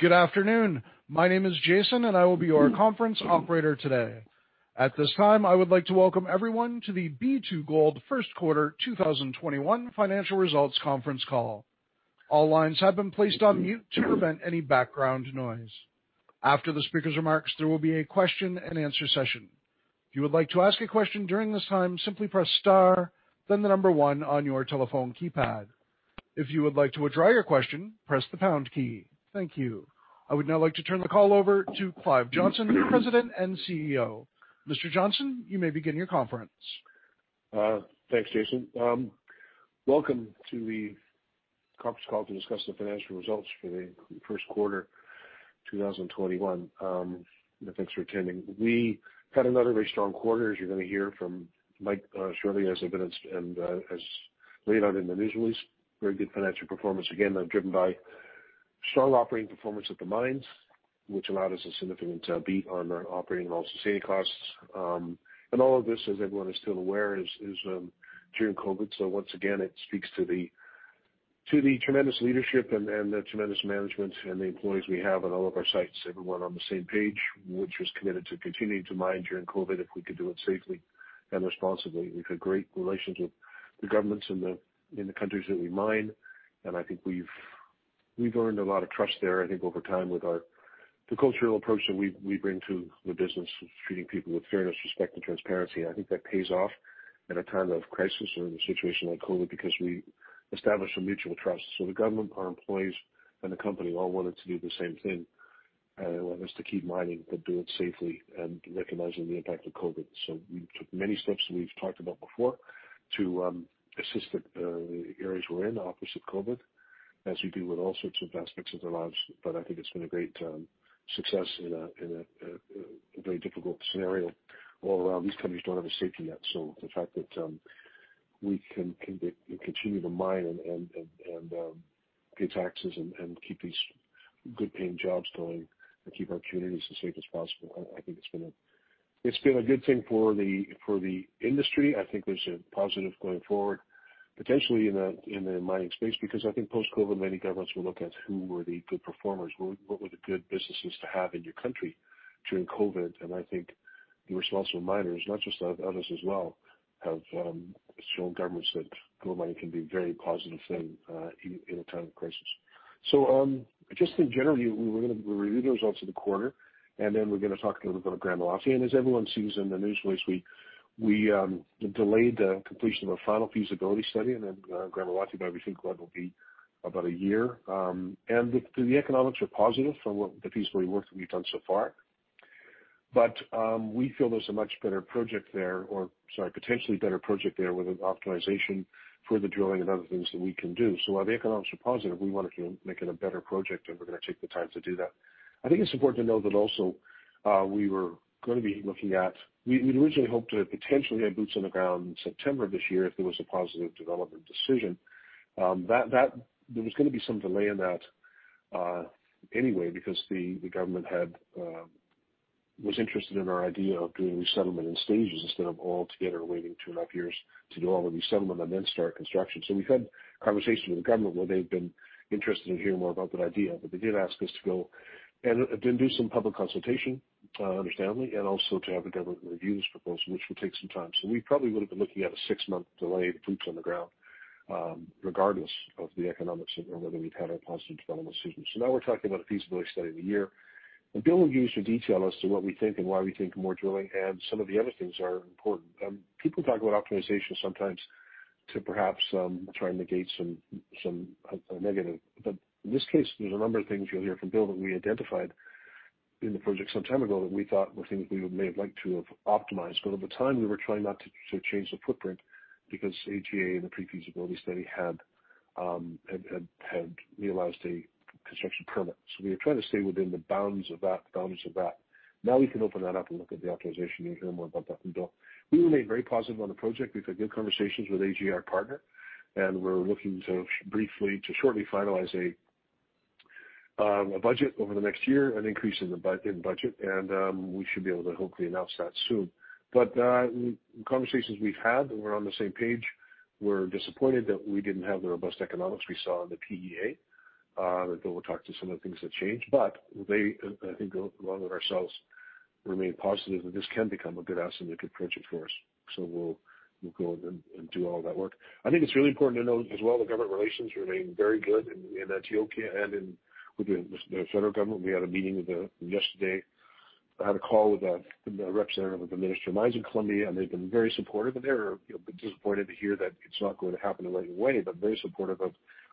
Good afternoon. My name is Jason, and I will be your conference operator today. At this time, I would like to welcome everyone to the B2Gold First Quarter 2021 Financial Results Conference Call. All lines have been placed on mute to prevent any background noise. After the speaker's remarks, there will be a question-and-answer session. If you would like to ask a question during this time, simply press star, then the number one on your telephone keypad. If you would like to withdraw your question, press the pound key. Thank you. I would now like to turn the call over to Clive Johnson, President and CEO. Mr. Johnson, you may begin your conference. Thanks, Jason. Welcome to the conference call to discuss the financial results for the first quarter 2021. Thanks for attending. We had another very strong quarter, as you're going to hear from Mike shortly, as evidenced and as laid out in the news release. Very good financial performance, again, driven by strong operating performance at the mines, which allowed us a significant beat on our operating all-in sustaining cost. All of this, as everyone is still aware, is during COVID. Once again, it speaks to the tremendous leadership and the tremendous management and the employees we have at all of our sites, everyone on the same page, which was committed to continuing to mine during COVID if we could do it safely and responsibly. We've had great relations with the governments in the countries that we mine, and I think we've earned a lot of trust there, I think over time with the cultural approach that we bring to the business of treating people with fairness, respect, and transparency. I think that pays off in a time of crisis or in a situation like COVID, because we established a mutual trust. The government, our employees, and the company all wanted to do the same thing. They want us to keep mining, but do it safely and recognizing the impact of COVID. We took many steps we've talked about before to assist the areas we're in, obviously with COVID, as we do with all sorts of aspects of their lives. I think it's been a great success in a very difficult scenario all around. These countries don't have a safety net. The fact that we can continue to mine and pay taxes and keep these good paying jobs going and keep our communities as safe as possible, I think it's been a good thing for the industry. I think there's a positive going forward potentially in the mining space, because I think post-COVID, many governments will look at who were the good performers, what were the good businesses to have in your country during COVID. I think the responsible miners, not just us, others as well, have shown governments that gold mining can be a very positive thing in a time of crisis. Just in general, we're going to review the results of the quarter, and then we're going to talk a little bit about Gramalote. As everyone sees in the news release, we delayed the completion of a final feasibility study, and then Gramalote, but we think that will be about a year. The economics are positive from the feasibility work that we've done so far. We feel there's a potentially better project there with an optimization for the drilling and other things that we can do. While the economics are positive, we want to make it a better project, and we're going to take the time to do that. I think it's important to know that also we were going to be looking at, we'd originally hoped to potentially have boots on the ground in September of this year if there was a positive development decision. There was going to be some delay in that anyway, because the government was interested in our idea of doing resettlement in stages instead of all together waiting two and a half years to do all the resettlement and then start construction. We've had conversations with the government where they've been interested in hearing more about that idea, but they did ask us to go and then do some public consultation, understandably, and also to have the government review this proposal, which will take some time. We probably would have been looking at a six-month delay to boots on the ground, regardless of the economics or whether we've had a positive development season. Now we're talking about a feasibility study of a year. Bill will give you some detail as to what we think and why we think more drilling and some of the other things are important. People talk about optimization sometimes to perhaps try and negate some negative. In this case, there's a number of things you'll hear from Bill that we identified in the project some time ago that we thought were things we may have liked to have optimized. At the time, we were trying not to change the footprint because AGA in the pre-feasibility study had realized a construction permit. We were trying to stay within the bounds of that. We can open that up and look at the optimization. You'll hear more about that from Bill. We remain very positive on the project. We've had good conversations with AGA, our partner, and we're looking to shortly finalize a budget over the next year, an increase in budget, and we should be able to hopefully announce that soon. The conversations we've had, we're on the same page. We're disappointed that we didn't have the robust economics we saw in the PEA. Bill will talk to some of the things that changed, but they, I think along with ourselves, remain positive that this can become a good asset and a good project for us. We'll go ahead and do all that work. I think it's really important to note as well, the government relations remain very good in Antioquia and with the federal government. We had a meeting with them yesterday. I had a call with a representative of the Minister of Mines in Colombia, and they've been very supportive, and they're a bit disappointed to hear that it's not going to happen right away, but very supportive of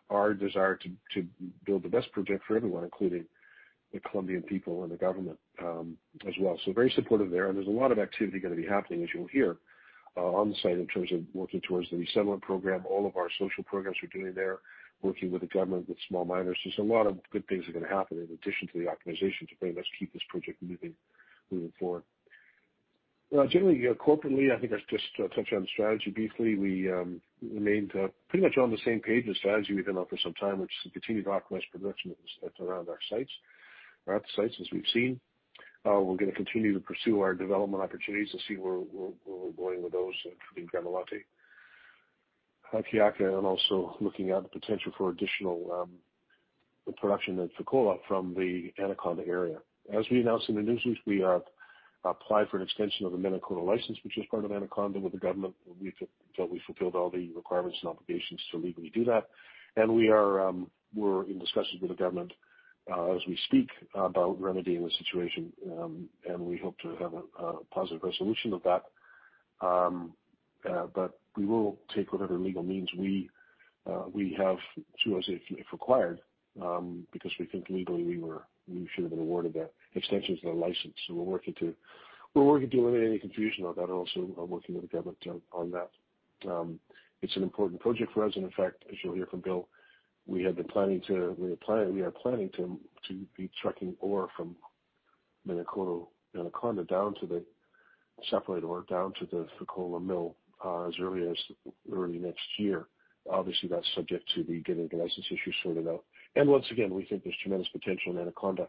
our desire to build the best project for everyone, including the Colombian people and the government as well. Very supportive there. There's a lot of activity going to be happening, as you'll hear, on the site in terms of working towards the resettlement program, all of our social programs we're doing there, working with the government, with small miners. There's a lot of good things are going to happen in addition to the optimization to let us keep this project moving forward. Generally, corporately, I think I'll just touch on the strategy briefly. We remained pretty much on the same page as to strategy we've been on for some time, which is to continue to optimize production around our sites, as we've seen. We're going to continue to pursue our development opportunities and see where we're going with those, including Gramalote, also looking at the potential for additional production at Fekola from the Anaconda area. As we announced in the news release, we have applied for an extension of the Ménankoto license, which is part of Anaconda with the government. We felt we fulfilled all the requirements and obligations to legally do that. We're in discussions with the government, as we speak, about remedying the situation, and we hope to have a positive resolution of that. We will take whatever legal means we have to, if required, because we think legally we should have been awarded that extension to the license. We're working to eliminate any confusion on that. Also, I'm working with the government on that. It's an important project for us. In fact, as you'll hear from Bill, we are planning to be trucking ore from Ménankoto, Anaconda down to the separator or down to the Fekola mill as early as early next year. Obviously, that's subject to the getting the license issue sorted out. Once again, we think there's tremendous potential in Anaconda,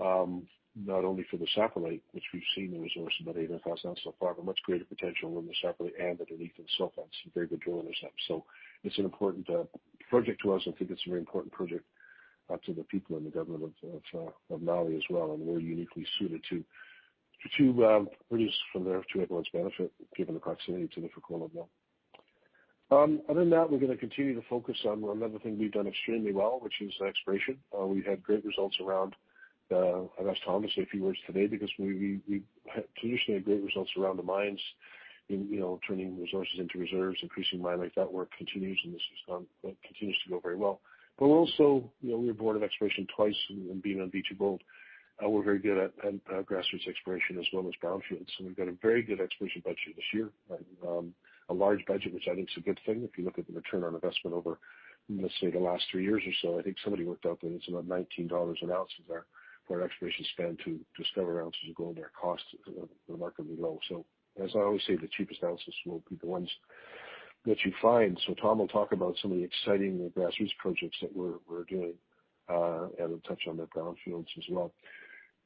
not only for the satellite, which we've seen the resource, about 800,000 so far, but much greater potential in the satellite and underneath in sulfide. Some very good drilling there. It's an important project to us, I think it's a very important project to the people in the government of Mali as well, and we're uniquely suited to produce from there to everyone's benefit, given the proximity to the Fekola mill. Other than that, we're going to continue to focus on another thing we've done extremely well, which is exploration. We've had great results around I've asked Tom to say a few words today because we've traditionally had great results around the mines in turning resources into reserves, increasing mine life. That work continues, and this continues to go very well. Also, we're born of exploration twice and being on B2Gold, we're very good at grassroots exploration as well as brownfields, and we've got a very good exploration budget this year. A large budget, which I think is a good thing. If you look at the return on investment over, let's say, the last three years or so, I think somebody worked out that it's about $19 an ounce of our exploration spend to discover ounces of gold at a cost that are remarkably low. As I always say, the cheapest ounces will be the ones that you find. Tom will talk about some of the exciting grassroots projects that we're doing, and he'll touch on the brownfields as well.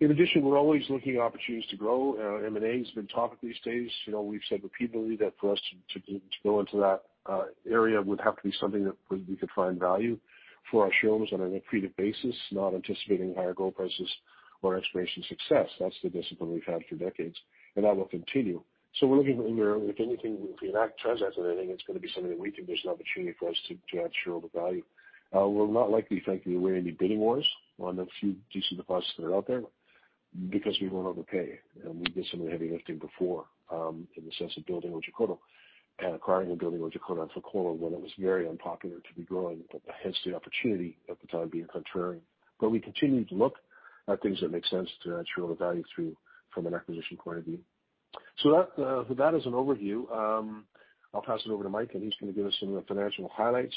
In addition, we're always looking at opportunities to grow. M&A has been topic these days. We've said repeatedly that for us to go into that area would have to be something that we could find value for our shareholders on an accretive basis, not anticipating higher gold prices or exploration success. That's the discipline we've had for decades, and that will continue. We're looking, if anything, if we enact transactions or anything, it's going to be something that we think there's an opportunity for us to add shareholder value. We're not likely, frankly, to win any bidding wars on the few decent deposits that are out there because we won't overpay. We did some of the heavy lifting before, in the sense of building Otjikoto and acquiring and building Otjikoto and Fekola when it was very unpopular to be growing. Hence the opportunity at the time, being contrarian. We continue to look at things that make sense to add shareholder value through from an acquisition point of view. That is an overview. I'll pass it over to Mike, and he's going to give us some of the financial highlights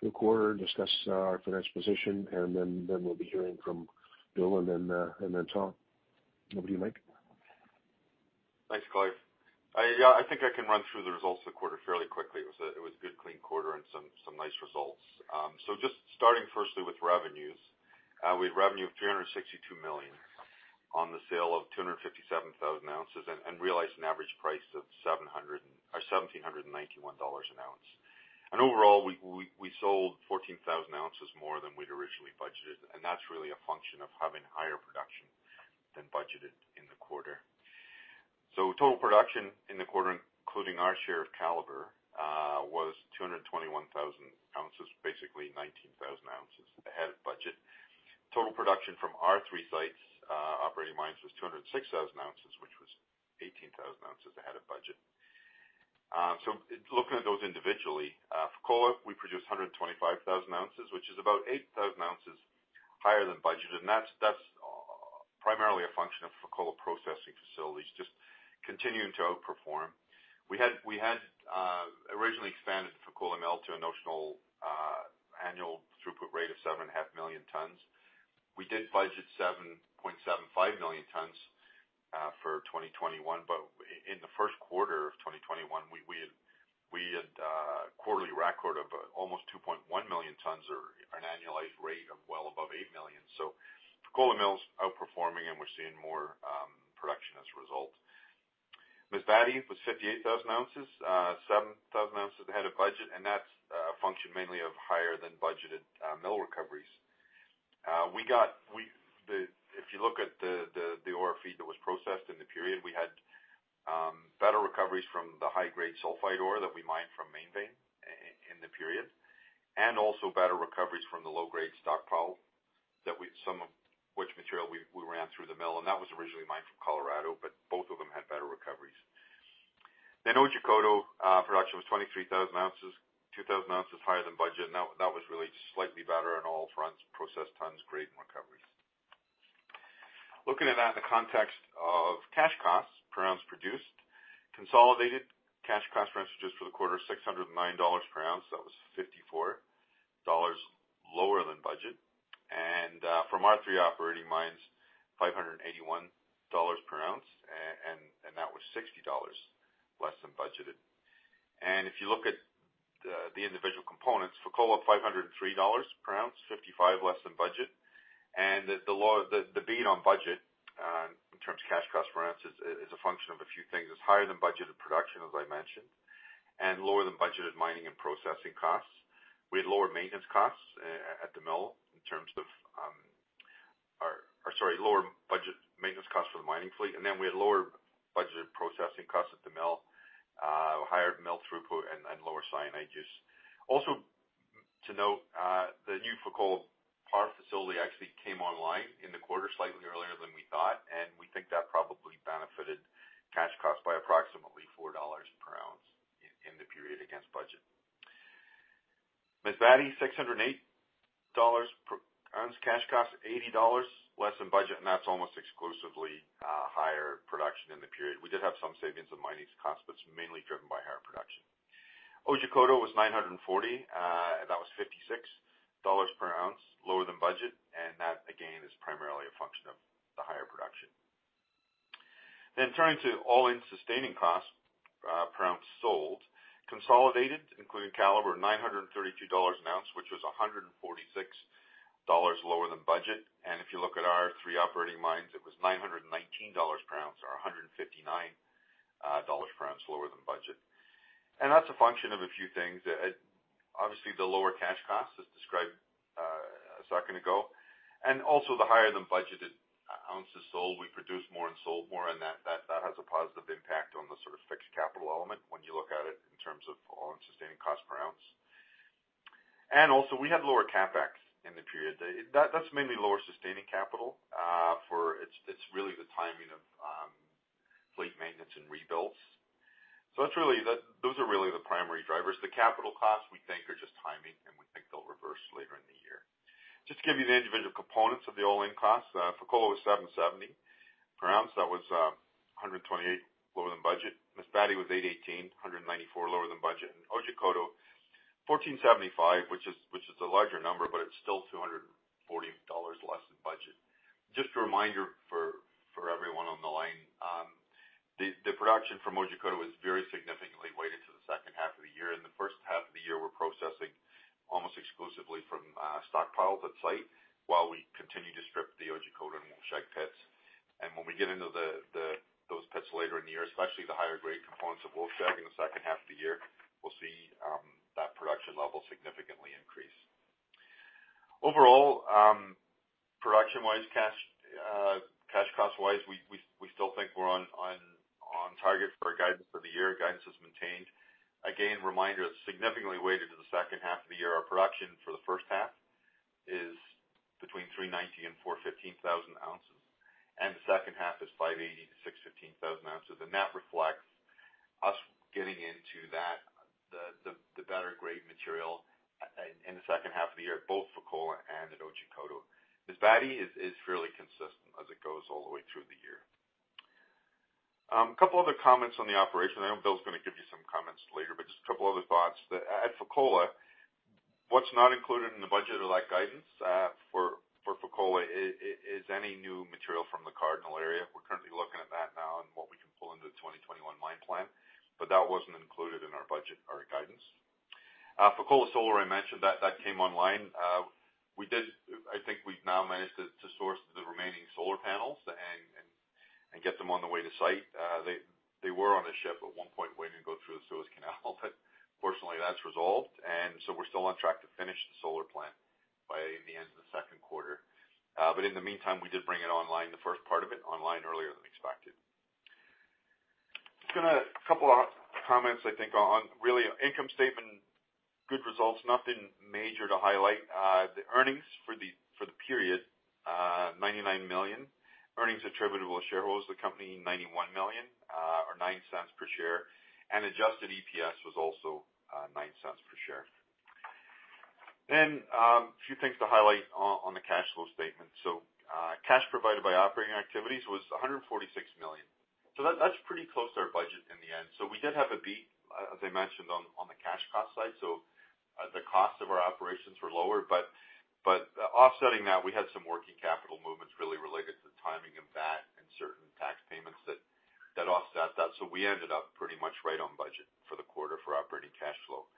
for the quarter, discuss our financial position, and then we'll be hearing from Bill and then Tom. Over to you, Mike. Thanks, Clive. I think I can run through the results of the quarter fairly quickly. It was a good, clean quarter and some nice results. Just starting firstly with revenues. We had revenue of $362 million on the sale of 257,000oz and realized an average price of $1,791 an oz. Overall, we sold 14,000oz more than we'd originally budgeted, and that's really a function of having higher production than budgeted in the quarter. Total production in the quarter, including our share of Calibre, was 221,000oz, basically 19,000oz ahead of budget. Total production from our three sites operating mines was 206,000oz, which was 18,000oz ahead of budget. Looking at those individually. Fekola, we produced 125,000oz, which is about 8,000oz higher than budget, and that's primarily a function of Fekola processing facilities just continuing to outperform. We had originally expanded Fekola Mill to a notional annual throughput rate of 7.5 million tons. We did budget 7.75 million tons for 2021. In the first quarter of 2021, we had quarterly record of almost 2.1 million tons or an annualized rate of well above 8 million. Fekola Mill's outperforming, and we're seeing more production as a result. Masbate was 58,000oz, 7,000oz ahead of budget, and that's a function mainly of higher than budgeted mill recoveries. If you look at the ore feed that was processed in the period, we had better recoveries from the high-grade sulfide ore that we mined from Main Vein in the period, and also better recoveries from the low-grade stockpile, some of which material we ran through the mill, and that was originally mined from Colorado, but both of them had better recoveries. Otjikoto production was 23,000oz, 2,000oz higher than budget, and that was really slightly better on all fronts, processed tons, grade, and recoveries. Looking at that in the context of cash cost per ounce produced, consolidated cash cost per ounce produced for the quarter was $609 per oz. That was $54 lower than budget. From our three operating mines, $581 per oz, and that was $60 less than budgeted. If you look at the individual components, Fekola $503 per oz, $55 less than budget. The beat on budget, which cash cost per ounce is a function of a few things. It's higher than budgeted production, as I mentioned, and lower than budgeted mining and processing costs. We had lower maintenance costs at the mill in terms of our Sorry, lower budget maintenance costs for the mining fleet, and then we had lower budgeted processing costs at the mill, higher mill throughput, and lower cyanides. To note, the new Fekola power facility actually came online in the quarter slightly earlier than we thought, and we think that probably benefited cash costs by approximately $4 per ounce in the period against budget. Masbate, $608 per ounce cash cost, $80 less than budget. That's almost exclusively higher production in the period. We did have some savings in mining costs. It's mainly driven by higher production. Otjikoto was $940. That was $56 per ounce lower than budget. That, again, is primarily a function of the higher production. Turning to all-in sustaining cost per ounce sold, consolidated, including Calibre, $932 an ounce, which was $146 lower than budget. If you look at our three operating mines, it was $919 per ounce or $159 per ounce lower than budget. That's a function of a few things. Obviously, the lower cash costs, as described a second ago, and also the higher than budgeted ounces sold. We produced more and sold more and that has a positive impact on the sort of fixed capital element when you look at it in terms of all-in sustaining cost per ounce. Also we had lower CapEx in the period. That's mainly lower sustaining capital, it's really the timing of fleet maintenance and rebuilds. Those are really the primary drivers. The capital costs we think are just timing, and we think they'll reverse later in the year. Just to give you the individual components of the all-in costs. Fekola was $770 per ounce. That was $128 lower than budget. Masbate was $818, $194 lower than budget. Otjikoto $1,475, which is a larger number, but it's still $240 less than budget. Just a reminder for everyone on the line, the production from Otjikoto was very significantly weighted to the second half of the year. In the first half of the year, we're processing almost exclusively from stockpiles at site while we continue to strip the Otjikoto and Wolfshag pits. When we get into those pits later in the year, especially the higher grade components of Wolfshag in the second half of the year, we'll see that production level significantly increase. Overall, production-wise, cash cost-wise, we still think we're on target for our guidance for the year. Guidance is maintained. A reminder, it's significantly weighted to the second half of the year. Our production for the first half is between 390,000 and 415,000oz. The second half is 580,000 to 615,000oz. That reflects us getting into the better grade material in the second half of the year, both Fekola and at Otjikoto. Masbate is fairly consistent as it goes all the way through the year. A couple other comments on the operation. I know Bill's going to give you some comments later. Just a couple other thoughts. At Fekola, what's not included in the budget or that guidance for Fekola is any new material from the Cardinal area. We're currently looking at that now and what we can pull into the 2021 mine plan. That wasn't included in our budget or our guidance. Fekola solar, I mentioned that that came online. I think we've now managed to source the remaining solar panels and get them on the way to site. They were on a ship at one point waiting to go through the Suez Canal, fortunately, that's resolved, we're still on track to finish the solar plant by the end of the second quarter. In the meantime, we did bring it online, the first part of it online earlier than expected. Just going to a couple of comments, I think, on really income statement, good results, nothing major to highlight. The earnings for the period, $99 million. Earnings attributable to shareholders of the company, $91 million, or $0.09 per share. Adjusted EPS was also $0.09 per share. A few things to highlight on the cash flow statement. Cash provided by operating activities was $146 million. That's pretty close to our budget in the end. We did have a beat, as I mentioned on the cash cost side. The cost of our operations were lower, but offsetting that, we had some working capital movements really related to the timing of that and certain tax payments that offset that. We ended up pretty much right on budget for the quarter for operating cash flow.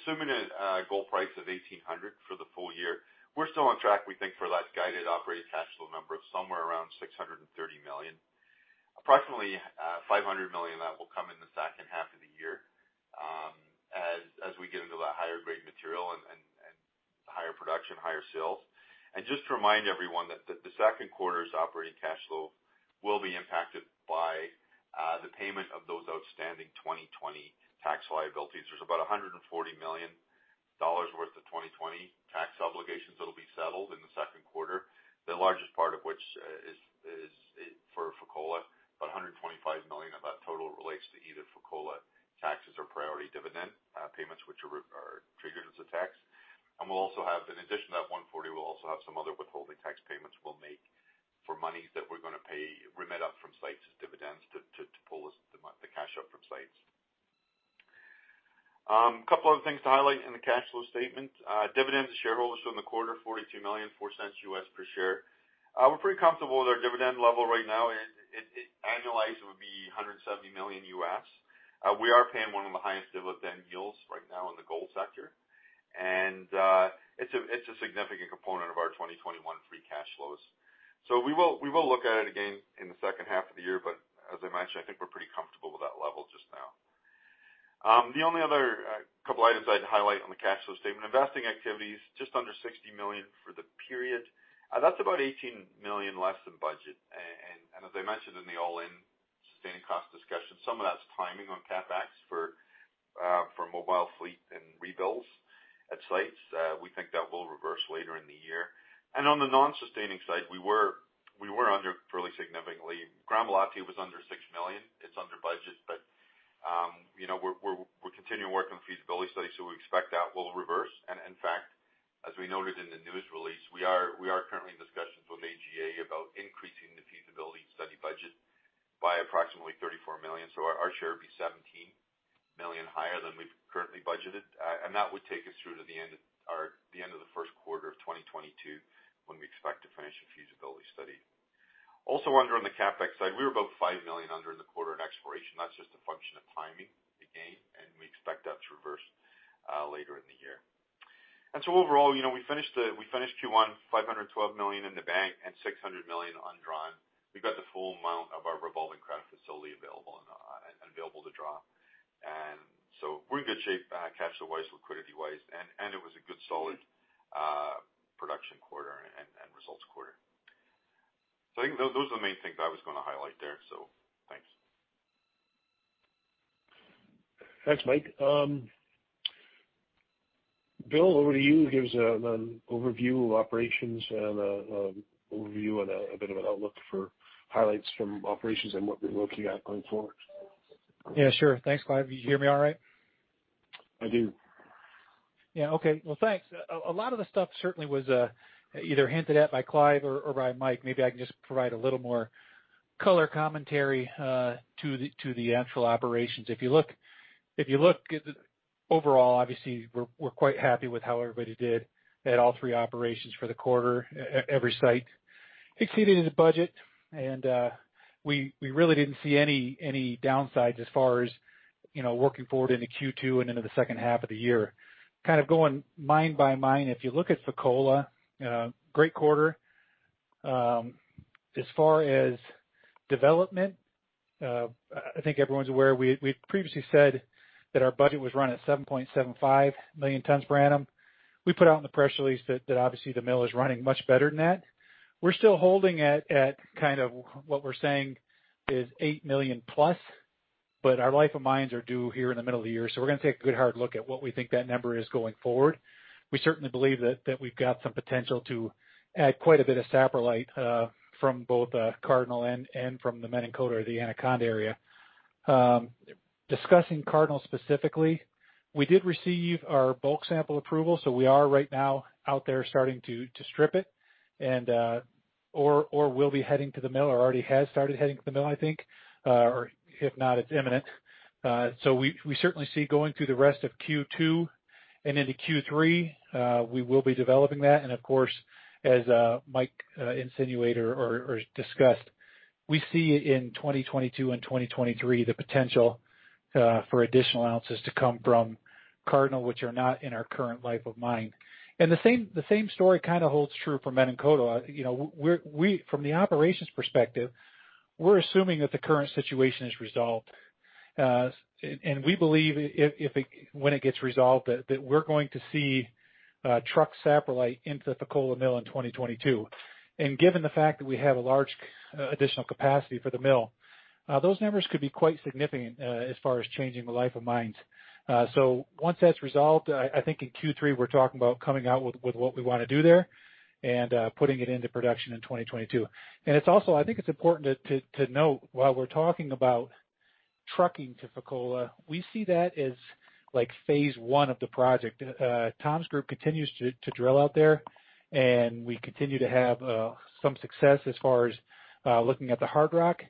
Assuming a gold price of $1,800 for the full year, we're still on track, we think, for that guided operating cash flow number of somewhere around $630 million. Approximately $500 million of that will come in the second half of the year as we get into that higher grade material and higher production, higher sales. Just to remind everyone that the second quarter's operating cash flow will be impacted by the payment of those outstanding 2020 tax liabilities. There's about $140 million worth of 2020 tax obligations that'll be settled in the second quarter, the largest part of which is for Fekola. About $125 million of that total relates to either Fekola taxes or priority dividend payments, which are triggered as a tax. In addition to that $140, we'll also have some other withholding tax payments we'll make for monies that we're going to pay, remit up from sites as dividends to pull the cash up from sites. Couple other things to highlight in the cash flow statement. Dividends to shareholders from the quarter, $42 million, $0.04 per share. We're pretty comfortable with our dividend level right now. The $170 million. We are paying one of the highest dividend yields right now in the gold sector. It's a significant component of our 2021 free cash flows. We will look at it again in the second half of the year, but as I mentioned, I think we're pretty comfortable with that level just now. The only other couple items I'd highlight on the cash flow statement, investing activities, just under $60 million for the period. That's about $18 million less than budget. As I mentioned in the all-in sustaining cost discussion, some of that's timing on CapEx for mobile fleet and rebuilds at sites. We think that will reverse later in the year. On the non-sustaining side, we were under fairly significantly. Gramalote was under $6 million. It's under budget, but we're continuing to work on the feasibility study, so we expect that will reverse. In fact, as we noted in the news release, we are currently in discussions with AGA about increasing the feasibility study budget by approximately $34 million. Our share would be $17 million higher than we've currently budgeted. That would take us through to the end of the first quarter of 2022, when we expect to finish the feasibility study. Also under on the CapEx side, we were about $5 million under in the quarter in exploration. That's just a function of timing, again, and we expect that to reverse later in the year. Overall, we finished Q1 $512 million in the bank and $600 million undrawn. We've got the full amount of our revolving credit facility available and available to draw. We're in good shape, cash flow-wise, liquidity-wise, and it was a good solid production quarter and results quarter. I think those are the main things I was going to highlight there, so thanks. Thanks, Mike. Bill, over to you to give us an overview of operations and an overview and a bit of an outlook for highlights from operations and what we're looking at going forward. Yeah, sure. Thanks, Clive. You hear me all right? I do. Yeah. Okay. Well, thanks. A lot of the stuff certainly was either hinted at by Clive or by Mike. Maybe I can just provide a little more color commentary to the actual operations. If you look, overall, obviously, we're quite happy with how everybody did at all three operations for the quarter. Every site exceeded its budget, we really didn't see any downsides as far as working forward into Q2 and into the second half of the year. Kind of going mine by mine, if you look at Fekola, great quarter. As far as development, I think everyone's aware, we previously said that our budget was run at 7.75 million tons per annum. We put out in the press release that obviously the mill is running much better than that. We're still holding at kind of what we're saying is eight million-plus, but our life of mines are due here in the middle of the year. We're going to take a good hard look at what we think that number is going forward. We certainly believe that we've got some potential to add quite a bit of saprolite from both Cardinal and from the Menankoto or the Anaconda Area. Discussing Cardinal specifically, we did receive our bulk sample approval, so we are right now out there starting to strip it or will be heading to the mill or already have started heading to the mill, I think. If not, it's imminent. We certainly see going through the rest of Q2 and into Q3, we will be developing that. Of course, as Mike insinuated or discussed, we see in 2022 and 2023 the potential for additional ounces to come from Cardinal, which are not in our current life of mine. The same story kind of holds true for Menankoto. From the operations perspective, we're assuming that the current situation is resolved. We believe when it gets resolved, that we're going to see trucked saprolite into the Fekola mill in 2022. Given the fact that we have a large additional capacity for the mill, those numbers could be quite significant as far as changing the life of mines. Once that's resolved, I think in Q3, we're talking about coming out with what we want to do there and putting it into production in 2022. I think it's important to note while we're talking about trucking to Fekola, we see that as phase I of the project. Tom's group continues to drill out there, and we continue to have some success as far as looking at the hard rock.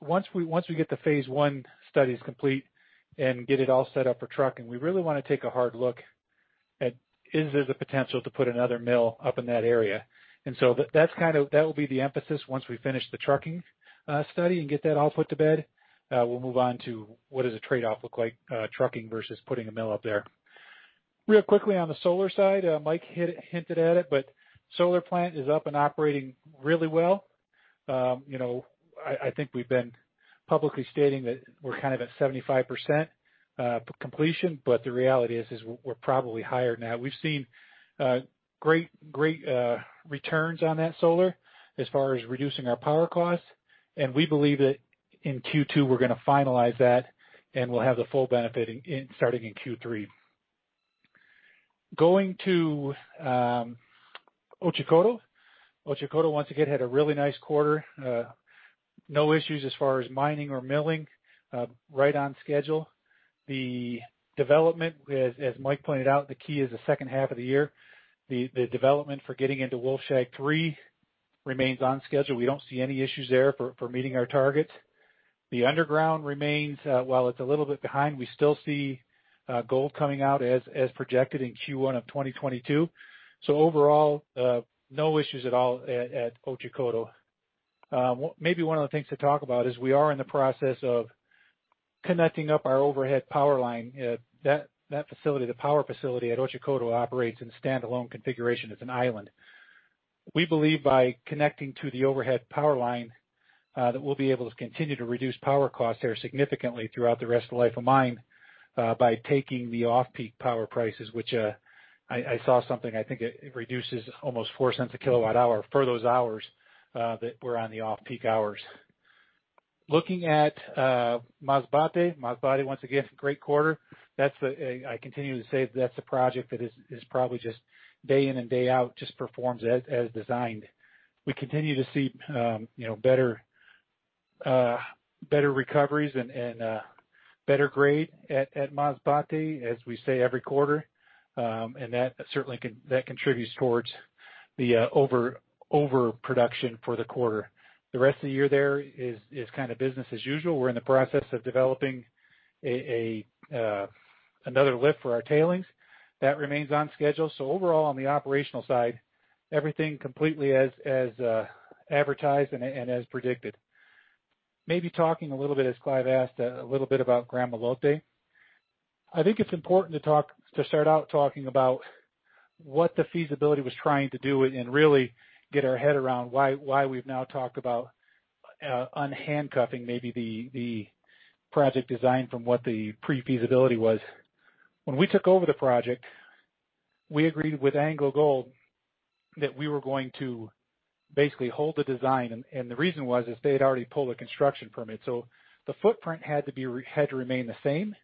Once we get the phase I studies complete and get it all set up for trucking, we really want to take a hard look at, is there the potential to put another mill up in that area? That will be the emphasis once we finish the trucking study and get that all put to bed. We'll move on to what does a trade-off look like, trucking versus putting a mill up there. Real quickly on the solar side, Mike hinted at it, but solar plant is up and operating really well. I think we've been publicly stating that we're kind of at 75% completion, but the reality is we're probably higher now. We've seen great returns on that solar as far as reducing our power costs. We believe that in Q2, we're going to finalize that, and we'll have the full benefit starting in Q3. Going to Otjikoto. Otjikoto, once again, had a really nice quarter. No issues as far as mining or milling. Right on schedule. The development, as Mike pointed out, the key is the second half of the year. The development for getting into Wolfshag3 remains on schedule. We don't see any issues there for meeting our targets. The underground remains, while it's a little bit behind, we still see gold coming out as projected in Q1 of 2022. Overall, no issues at all at Otjikoto. Maybe one of the things to talk about is we are in the process of connecting up our overhead power line. That facility, the power facility at Otjikoto, operates in stand-alone configuration as an island. We believe by connecting to the overhead power line, that we'll be able to continue to reduce power costs there significantly throughout the rest of the life of mine, by taking the off-peak power prices, which I saw something, I think it reduces almost $0.04 a kWh for those hours that were on the off-peak hours. Looking at Masbate. Masbate, once again, great quarter. I continue to say that's a project that is probably just day in and day out, just performs as designed. We continue to see better recoveries and better grade at Masbate, as we say every quarter. That certainly contributes towards the overproduction for the quarter. The rest of the year there is business as usual. We're in the process of developing another lift for our tailings. That remains on schedule. Overall, on the operational side, everything completely as advertised and as predicted. Maybe talking a little bit, as Clive asked, a little bit about Gramalote. I think it's important to start out talking about what the feasibility was trying to do and really get our head around why we've now talked about un-handcuffing maybe the project design from what the pre-feasibility was. When we took over the project, we agreed with AngloGold that we were going to basically hold the design, and the reason was, is they had already pulled a construction permit. The footprint had to remain the same,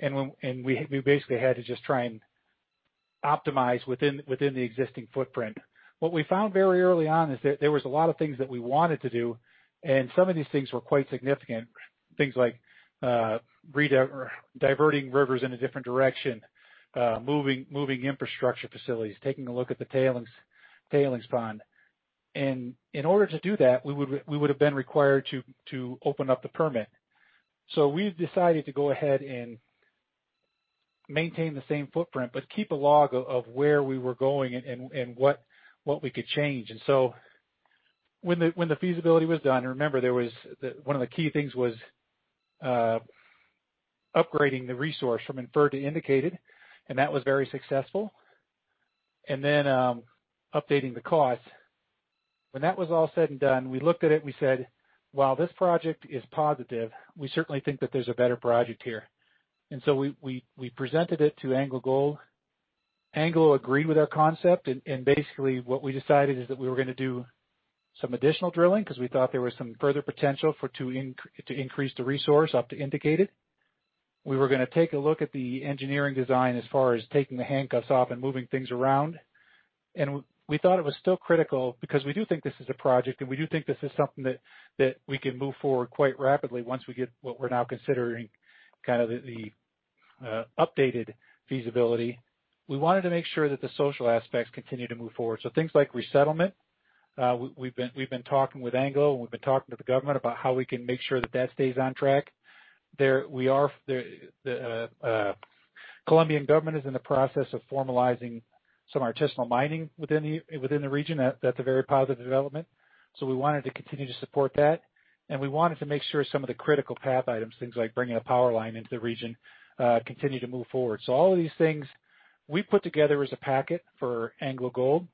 and we basically had to just try and optimize within the existing footprint. What we found very early on is that there was a lot of things that we wanted to do, and some of these things were quite significant: things like diverting rivers in a different direction, moving infrastructure facilities, taking a look at the tailings pond. In order to do that, we would've been required to open up the permit. We've decided to go ahead and maintain the same footprint, but keep a log of where we were going and what we could change. When the feasibility was done, remember, one of the key things was upgrading the resource from inferred to indicated, and that was very successful, and then updating the cost. When that was all said and done, we looked at it and we said, "While this project is positive, we certainly think that there's a better project here." We presented it to AngloGold. Anglo agreed with our concept, basically what we decided is that we were going to do some additional drilling, because we thought there was some further potential to increase the resource up to indicated. We were going to take a look at the engineering design as far as taking the handcuffs off and moving things around. We thought it was still critical, because we do think this is a project, and we do think this is something that we can move forward quite rapidly once we get what we're now considering the updated feasibility. We wanted to make sure that the social aspects continue to move forward. Things like resettlement. We've been talking with Anglo, and we've been talking to the government about how we can make sure that that stays on track. The Colombian government is in the process of formalizing some artisanal mining within the region. That's a very positive development. We wanted to continue to support that, and we wanted to make sure some of the critical path items, things like bringing a power line into the region, continue to move forward. All of these things we put together as a packet for AngloGold.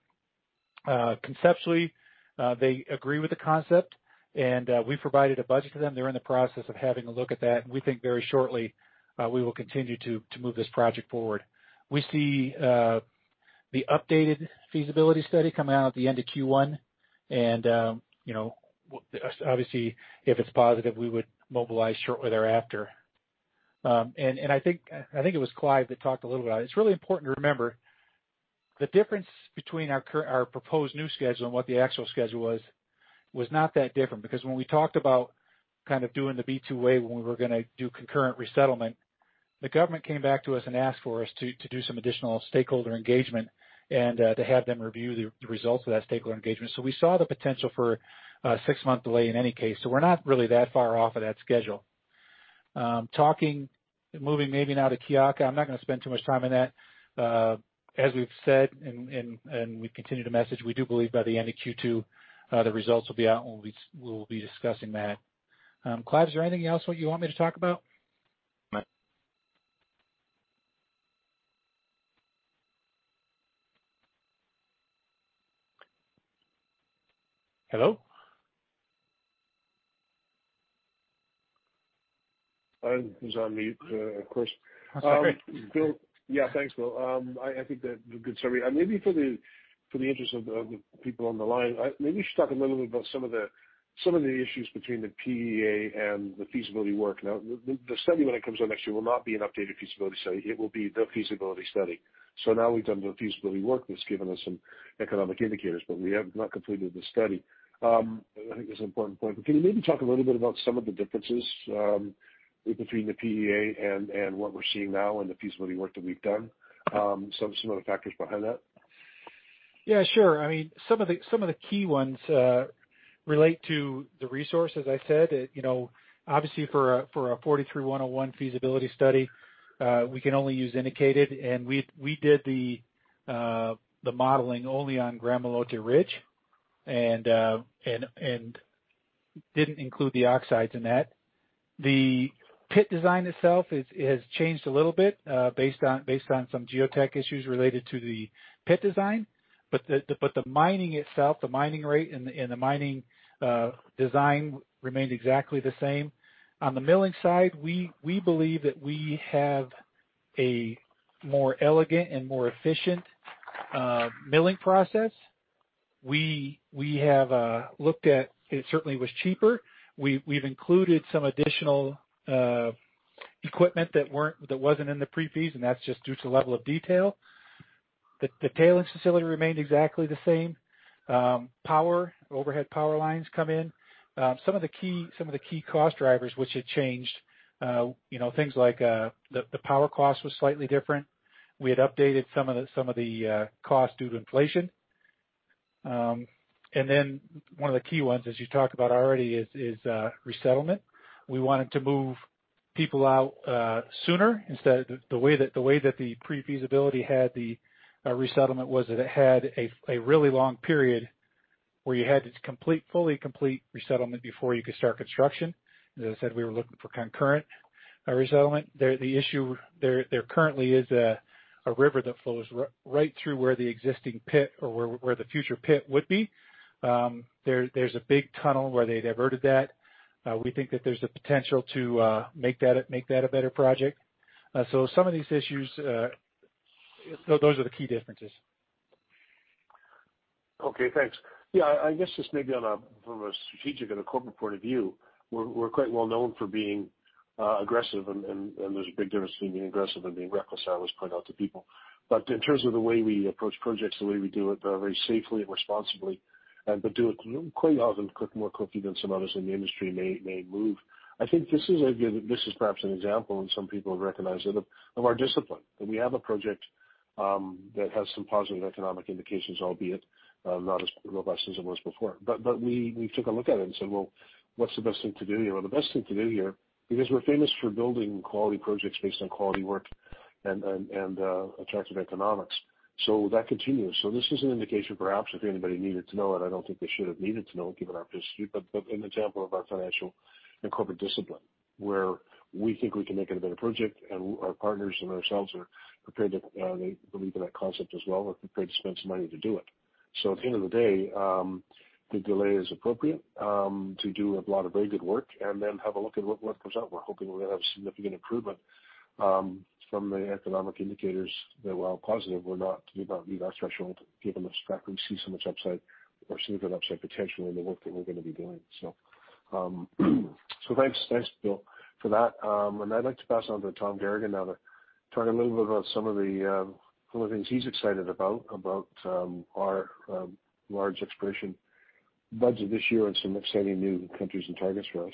Conceptually, they agree with the concept, and we provided a budget to them. They're in the process of having a look at that, and we think very shortly, we will continue to move this project forward. We see the updated feasibility study coming out at the end of Q1. Obviously, if it's positive, we would mobilize shortly thereafter. I think it was Clive that talked a little bit about it. It's really important to remember the difference between our proposed new schedule and what the actual schedule was not that different. When we talked about doing the PEA, when we were going to do concurrent resettlement, the government came back to us and asked for us to do some additional stakeholder engagement and to have them review the results of that stakeholder engagement. We saw the potential for a six-month delay in any case. We're not really that far off of that schedule. Moving maybe now to Kiaka. I'm not going to spend too much time on that. As we've said and we've continued to message, we do believe by the end of Q2, the results will be out, and we'll be discussing that. Clive, is there anything else what you want me to talk about? No. Hello? I was on mute, of course. Sorry. Yeah, thanks, Bill. I think that, good summary. Maybe for the interest of the people on the line, maybe you should talk a little bit about some of the issues between the PEA and the feasibility work. Now, the study, when it comes out next year, will not be an updated feasibility study. It will be the feasibility study. Now we've done the feasibility work that's given us some economic indicators, but we have not completed the study. I think that's an important point. Can you maybe talk a little bit about some of the differences between the PEA and what we're seeing now in the feasibility work that we've done? Some of the factors behind that. Yeah, sure. Some of the key ones relate to the resource, as I said. Obviously, for our 43-101 feasibility study, we can only use indicated, and we did the modeling only on Gramalote Ridge and didn't include the oxides in that. The pit design itself has changed a little bit based on some geotech issues related to the pit design. The mining itself, the mining rate, and the mining design remained exactly the same. On the milling side, we believe that we have a more elegant and more efficient milling process. It certainly was cheaper. We've included some additional equipment that wasn't in the pre-feas. That's just due to level of detail. The tailings facility remained exactly the same. Power, overhead power lines come in. Some of the key cost drivers which had changed, things like the power cost was slightly different. We had updated some of the cost due to inflation. One of the key ones, as you talked about already, is resettlement. We wanted to move people out sooner instead of the way that the pre-feasibility had the resettlement was that it had a really long period where you had to fully complete resettlement before you could start construction. As I said, we were looking for concurrent resettlement. There currently is a river that flows right through where the existing pit or where the future pit would be. There's a big tunnel where they diverted that. We think that there's the potential to make that a better project. Some of these issues, those are the key differences. Okay, thanks. Yeah, I guess just maybe from a strategic and a corporate point of view, we're quite well known for being aggressive. There's a big difference between being aggressive and being reckless, I always point out to people. In terms of the way we approach projects, the way we do it very safely and responsibly, but do it quite often more quickly than some others in the industry may move. I think this is perhaps an example, and some people have recognized it, of our discipline, that we have a project that has some positive economic indications, albeit not as robust as it was before. We took a look at it and said, "Well, what's the best thing to do here?" The best thing to do here, because we're famous for building quality projects based on quality work and attractive economics. That continues. This is an indication, perhaps, if anybody needed to know it, I don't think they should have needed to know given our history, but an example of our financial and corporate discipline, where we think we can make it a better project, and our partners and ourselves are prepared to believe in that concept as well. We're prepared to spend some money to do it. At the end of the day, the delay is appropriate to do a lot of very good work and then have a look at what comes out. We're hoping we're going to have significant improvement from the economic indicators that, while positive, were not above our threshold given the fact that we see so much upside or significant upside potential in the work that we're going to be doing. Thanks, Bill, for that. I'd like to pass on to Tom Garagan now to talk a little bit about some of the things he's excited about our large exploration budget this year and some exciting new countries and targets for us.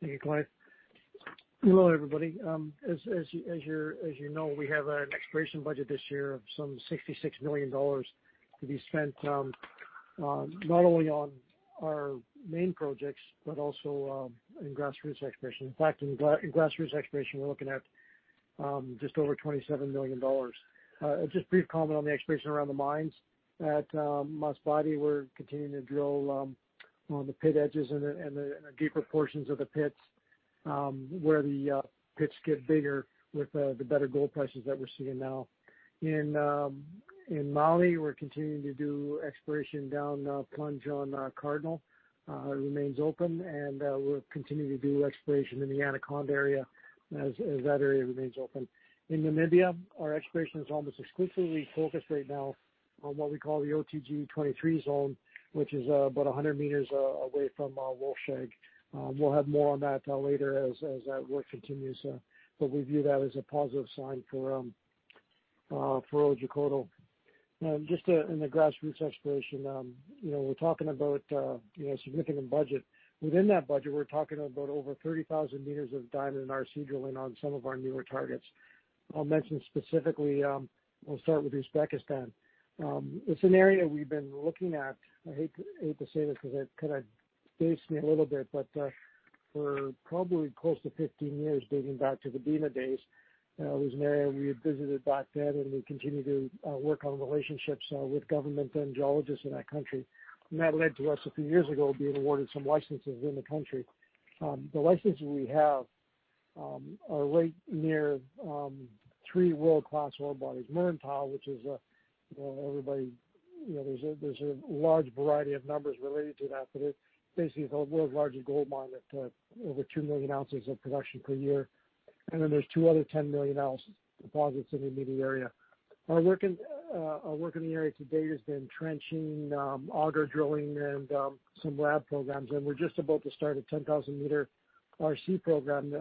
Thank you, Clive. Hello, everybody. As you know, we have an exploration budget this year of some $66 million to be spent not only on our main projects, but also in grassroots exploration. In grassroots exploration, we're looking at just over $27 million. Just a brief comment on the exploration around the mines. At Masbate, we're continuing to drill on the pit edges and the deeper portions of the pits, where the pits get bigger with the better gold prices that we're seeing now. In Mali, we're continuing to do exploration down plunge on Cardinal. It remains open, and we'll continue to do exploration in the Anaconda area as that area remains open. In Namibia, our exploration is almost exclusively focused right now on what we call the Otjikoto 23 zone, which is about 100 meters away from Wolfshag. We'll have more on that later as that work continues. We view that as a positive sign for Otjikoto. Just in the grassroots exploration, we're talking about significant budget. Within that budget, we're talking about over 30,000 meters of diamond and RC drilling on some of our newer targets. I'll mention specifically, I'll start with Uzbekistan. It's an area we've been looking at, I hate to say this because it kind of dates me a little bit, but for probably close to 15 years, dating back to the Bema Gold days. It was an area we had visited back then, and we continued to work on relationships with government and geologists in that country. That led to us, a few years ago, being awarded some licenses in the country. The licenses we have are right near three world-class ore bodies. Muruntau, there's a large variety of numbers related to that, but it basically is the world's largest gold mine at over 2 million ounces of production per year. Then there's two other 10 million ounce deposits in the immediate area. Our work in the area to date has been trenching, auger drilling, and some lab programs, and we're just about to start a 10,000-meter RC program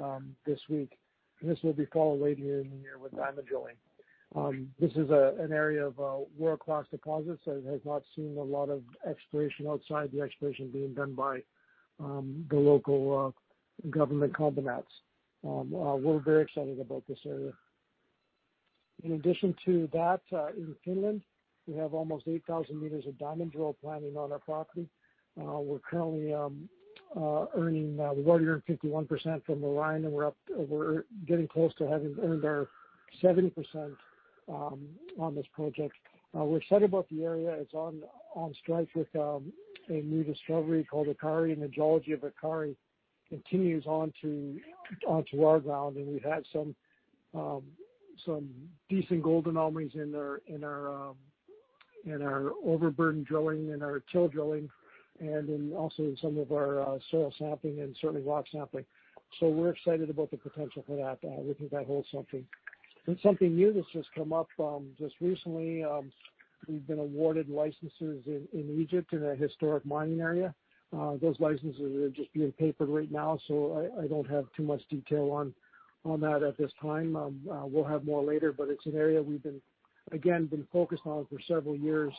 this week. This will be followed later in the year with diamond drilling. This is an area of world-class deposits that has not seen a lot of exploration outside the exploration being done by the local government combinations. We're very excited about this area. In addition to that, in Finland, we have almost 8,000 meters of diamond drill planning on our property. We've already earned 51% from the line, and we're getting close to having earned our 70% on this project. We're excited about the area. It's on strike with a new discovery called Ikkari, and the geology of Ikkari continues onto our ground. We've had some decent gold anomalies in our overburden drilling and our till drilling, and then also in some of our soil sampling and certainly rock sampling. We're excited about the potential for that. We think that holds something. Something new that's just come up, just recently, we've been awarded licenses in Egypt in a historic mining area. Those licenses are just being papered right now, so I don't have too much detail on that at this time. We'll have more later, but it's an area we've, again, been focused on for several years,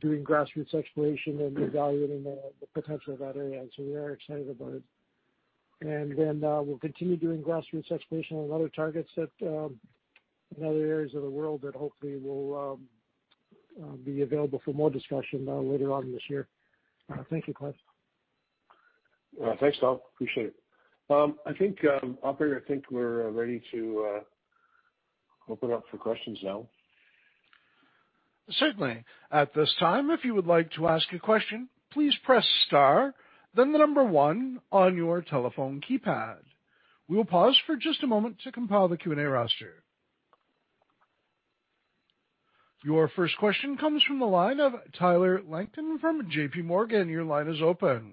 doing grassroots exploration and evaluating the potential of that area. We are excited about it. We'll continue doing grassroots exploration on other targets in other areas of the world that hopefully will be available for more discussion later on this year. Thank you, Clive. Thanks, Tom, appreciate it. Operator, I think we're ready to open up for questions now. Certainly. At this time, if you would like to ask a question, please press star, then the number one on your telephone keypad. We will pause for just a moment to compile the Q&A roster. Your first question comes from the line of Tyler Langton from JPMorgan. Your line is open.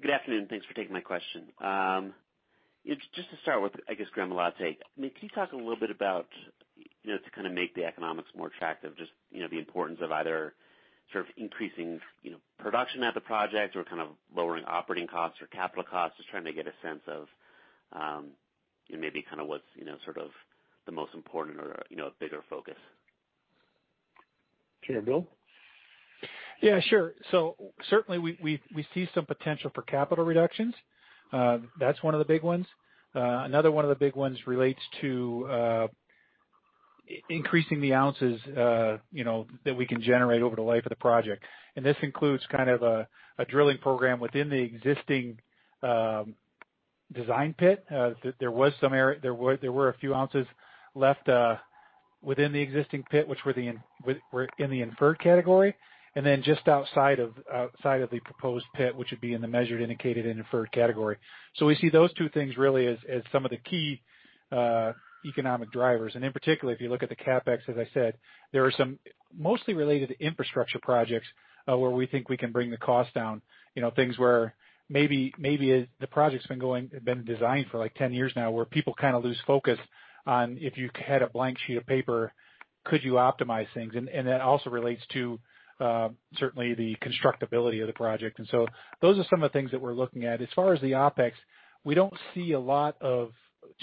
Good afternoon. Thanks for taking my question. Just to start with, I guess, Gramalote. Can you talk a little bit about, to kind of make the economics more attractive, just the importance of either sort of increasing production at the project or kind of lowering operating costs or capital costs? Just trying to get a sense of maybe kind of what's sort of the most important or a bigger focus. Sure. Bill? Yeah, sure. Certainly we see some potential for capital reductions. That's one of the big ones. Another one of the big ones relates to increasing the ounces that we can generate over the life of the project. This includes kind of a drilling program within the existing design pit. There were a few ounces left within the existing pit, which were in the inferred category. Just outside of the proposed pit, which would be in the measured, indicated, and inferred category. We see those two things really as some of the key economic drivers. In particular, if you look at the CapEx, as I said, there are some mostly related infrastructure projects, where we think we can bring the cost down. Things where maybe the project's been designed for 10 years now, where people kind of lose focus on, if you had a blank sheet of paper, could you optimize things? That also relates to, certainly, the constructability of the project. Those are some of the things that we're looking at. As far as the OpEx, we don't see a lot of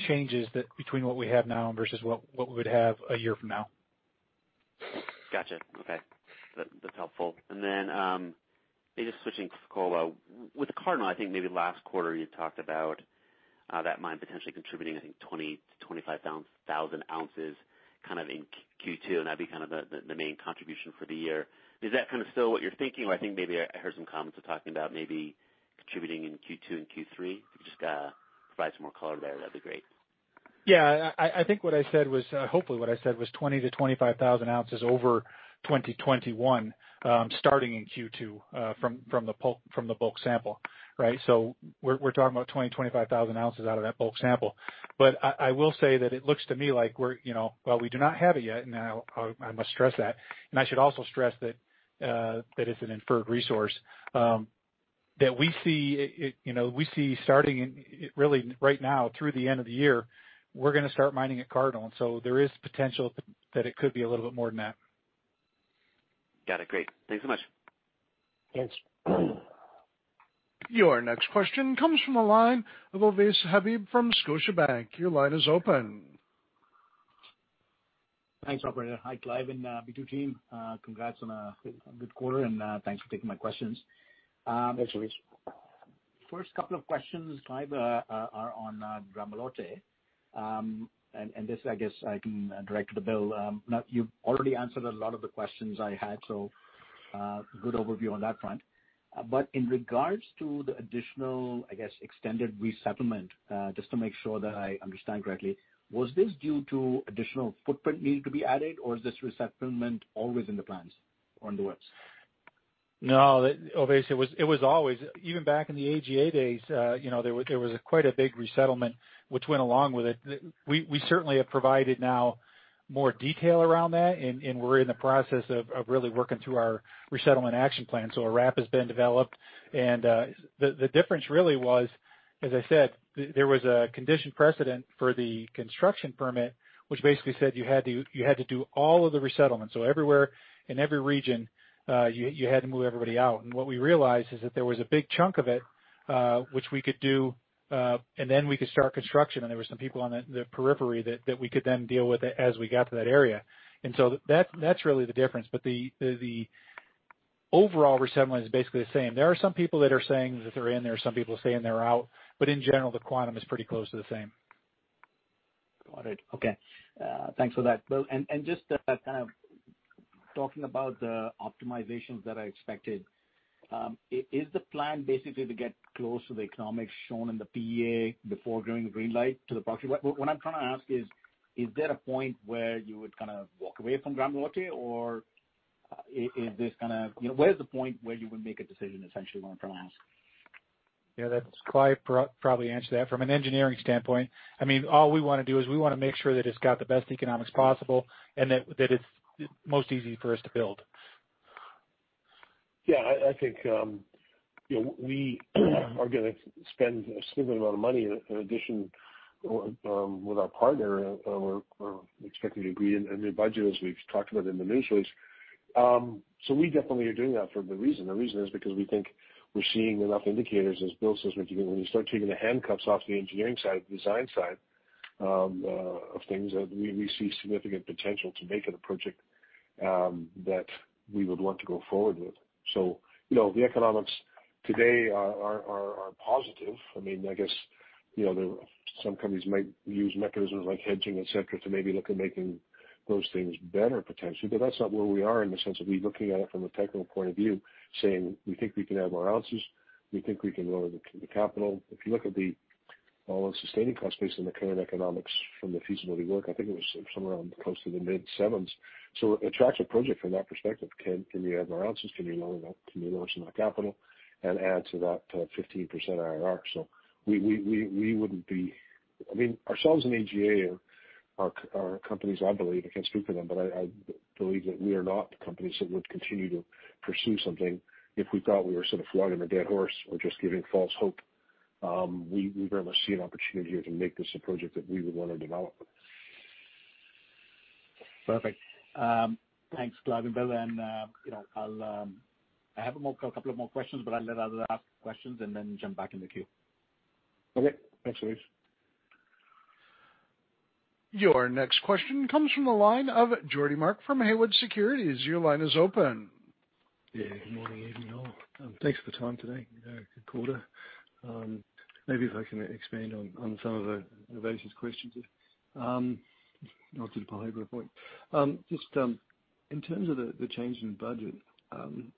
changes between what we have now versus what we would have a year from now. Got you. Okay. That's helpful. Maybe just switching for color. With Cardinal, I think maybe last quarter you had talked about that mine potentially contributing, I think, 20,000 to 25,000oz kind of in Q2, and that'd be kind of the main contribution for the year. Is that kind of still what you're thinking? I think maybe I heard some comments of talking about maybe contributing in Q2 and Q3. If you just provide some more color there, that'd be great. Yeah, I think hopefully what I said was 20,000 to 25,000oz over 2021, starting in Q2, from the bulk sample. Right? We're talking about 20,000 to 25,000oz out of that bulk sample. I will say that it looks to me like, while we do not have it yet, and I must stress that, and I should also stress that it's an inferred resource. That we see starting really right now through the end of the year, we're going to start mining at Cardinal. There is potential that it could be a little bit more than that. Got it. Great. Thanks so much. Thanks. Your next question comes from the line of Ovais Habib from Scotiabank. Your line is open. Thanks, operator. Hi, Clive and B2Gold team. Congrats on a good quarter and thanks for taking my questions. Thanks, Ovais. First couple of questions, Clive, are on Gramalote. This, I guess, I can direct to Bill. You've already answered a lot of the questions I had, so good overview on that front. In regards to the additional, I guess, extended resettlement, just to make sure that I understand correctly, was this due to additional footprint need to be added, or is this resettlement always in the plans or in the works? No, Ovais, it was always. Even back in the AGA days, there was quite a big resettlement which went along with it. We certainly have provided now more detail around that, and we're in the process of really working through our Resettlement Action Plan. A RAP has been developed. The difference really was, as I said, there was a condition precedent for the construction permit, which basically said you had to do all of the resettlement. Everywhere, in every region, you had to move everybody out. What we realized is that there was a big chunk of it, which we could do, and then we could start construction. There were some people on the periphery that we could then deal with as we got to that area. That's really the difference. The overall resettlement is basically the same. There are some people that are saying that they're in, there are some people saying they're out, but in general, the quantum is pretty close to the same. Got it. Okay. Thanks for that, Bill. Just talking about the optimizations that are expected, is the plan basically to get close to the economics shown in the PEA before giving green light to the project? What I'm trying to ask is there a point where you would walk away from Gramalote? Where's the point where you would make a decision, essentially, what I'm trying to ask? Yeah, that's Clive probably answer that. From an engineering standpoint, all we want to do is we want to make sure that it's got the best economics possible and that it's most easy for us to build. Yeah, I think we are going to spend a significant amount of money in addition with our partner. We're expecting to agree a new budget as we've talked about in the news release. We definitely are doing that for good reason. The reason is because we think we're seeing enough indicators, as Bill says, when you start taking the handcuffs off the engineering side, the design side of things, that we see significant potential to make it a project that we would want to go forward with. The economics today are positive. I guess some companies might use mechanisms like hedging, et cetera, to maybe look at making those things better, potentially. That's not where we are in the sense of we're looking at it from a technical point of view, saying we think we can add more ounces, we think we can lower the capital. If you look at the all-in sustaining cost base and the current economics from the feasibility work, I think it was somewhere around close to the mid sevens. Attractive project from that perspective. Can you add more ounces? Can you lower some of that capital and add to that 15% IRR? Ourselves and AGA are companies, I believe, I can't speak for them, but I believe that we are not companies that would continue to pursue something if we thought we were sort of flogging a dead horse or just giving false hope. We very much see an opportunity here to make this a project that we would want to develop. Perfect. Thanks, Clive and Bill. I have a couple of more questions, but I'll let others ask questions and then jump back in the queue. Okay. Thanks, Ovais. Your next question comes from the line of Geordie Mark from Haywood Securities. Your line is open. Good morning, evening, all. Thanks for the time today. Good quarter. Maybe if I can expand on some of Ovais's questions, not to beat a whole different point. Just in terms of the change in budget,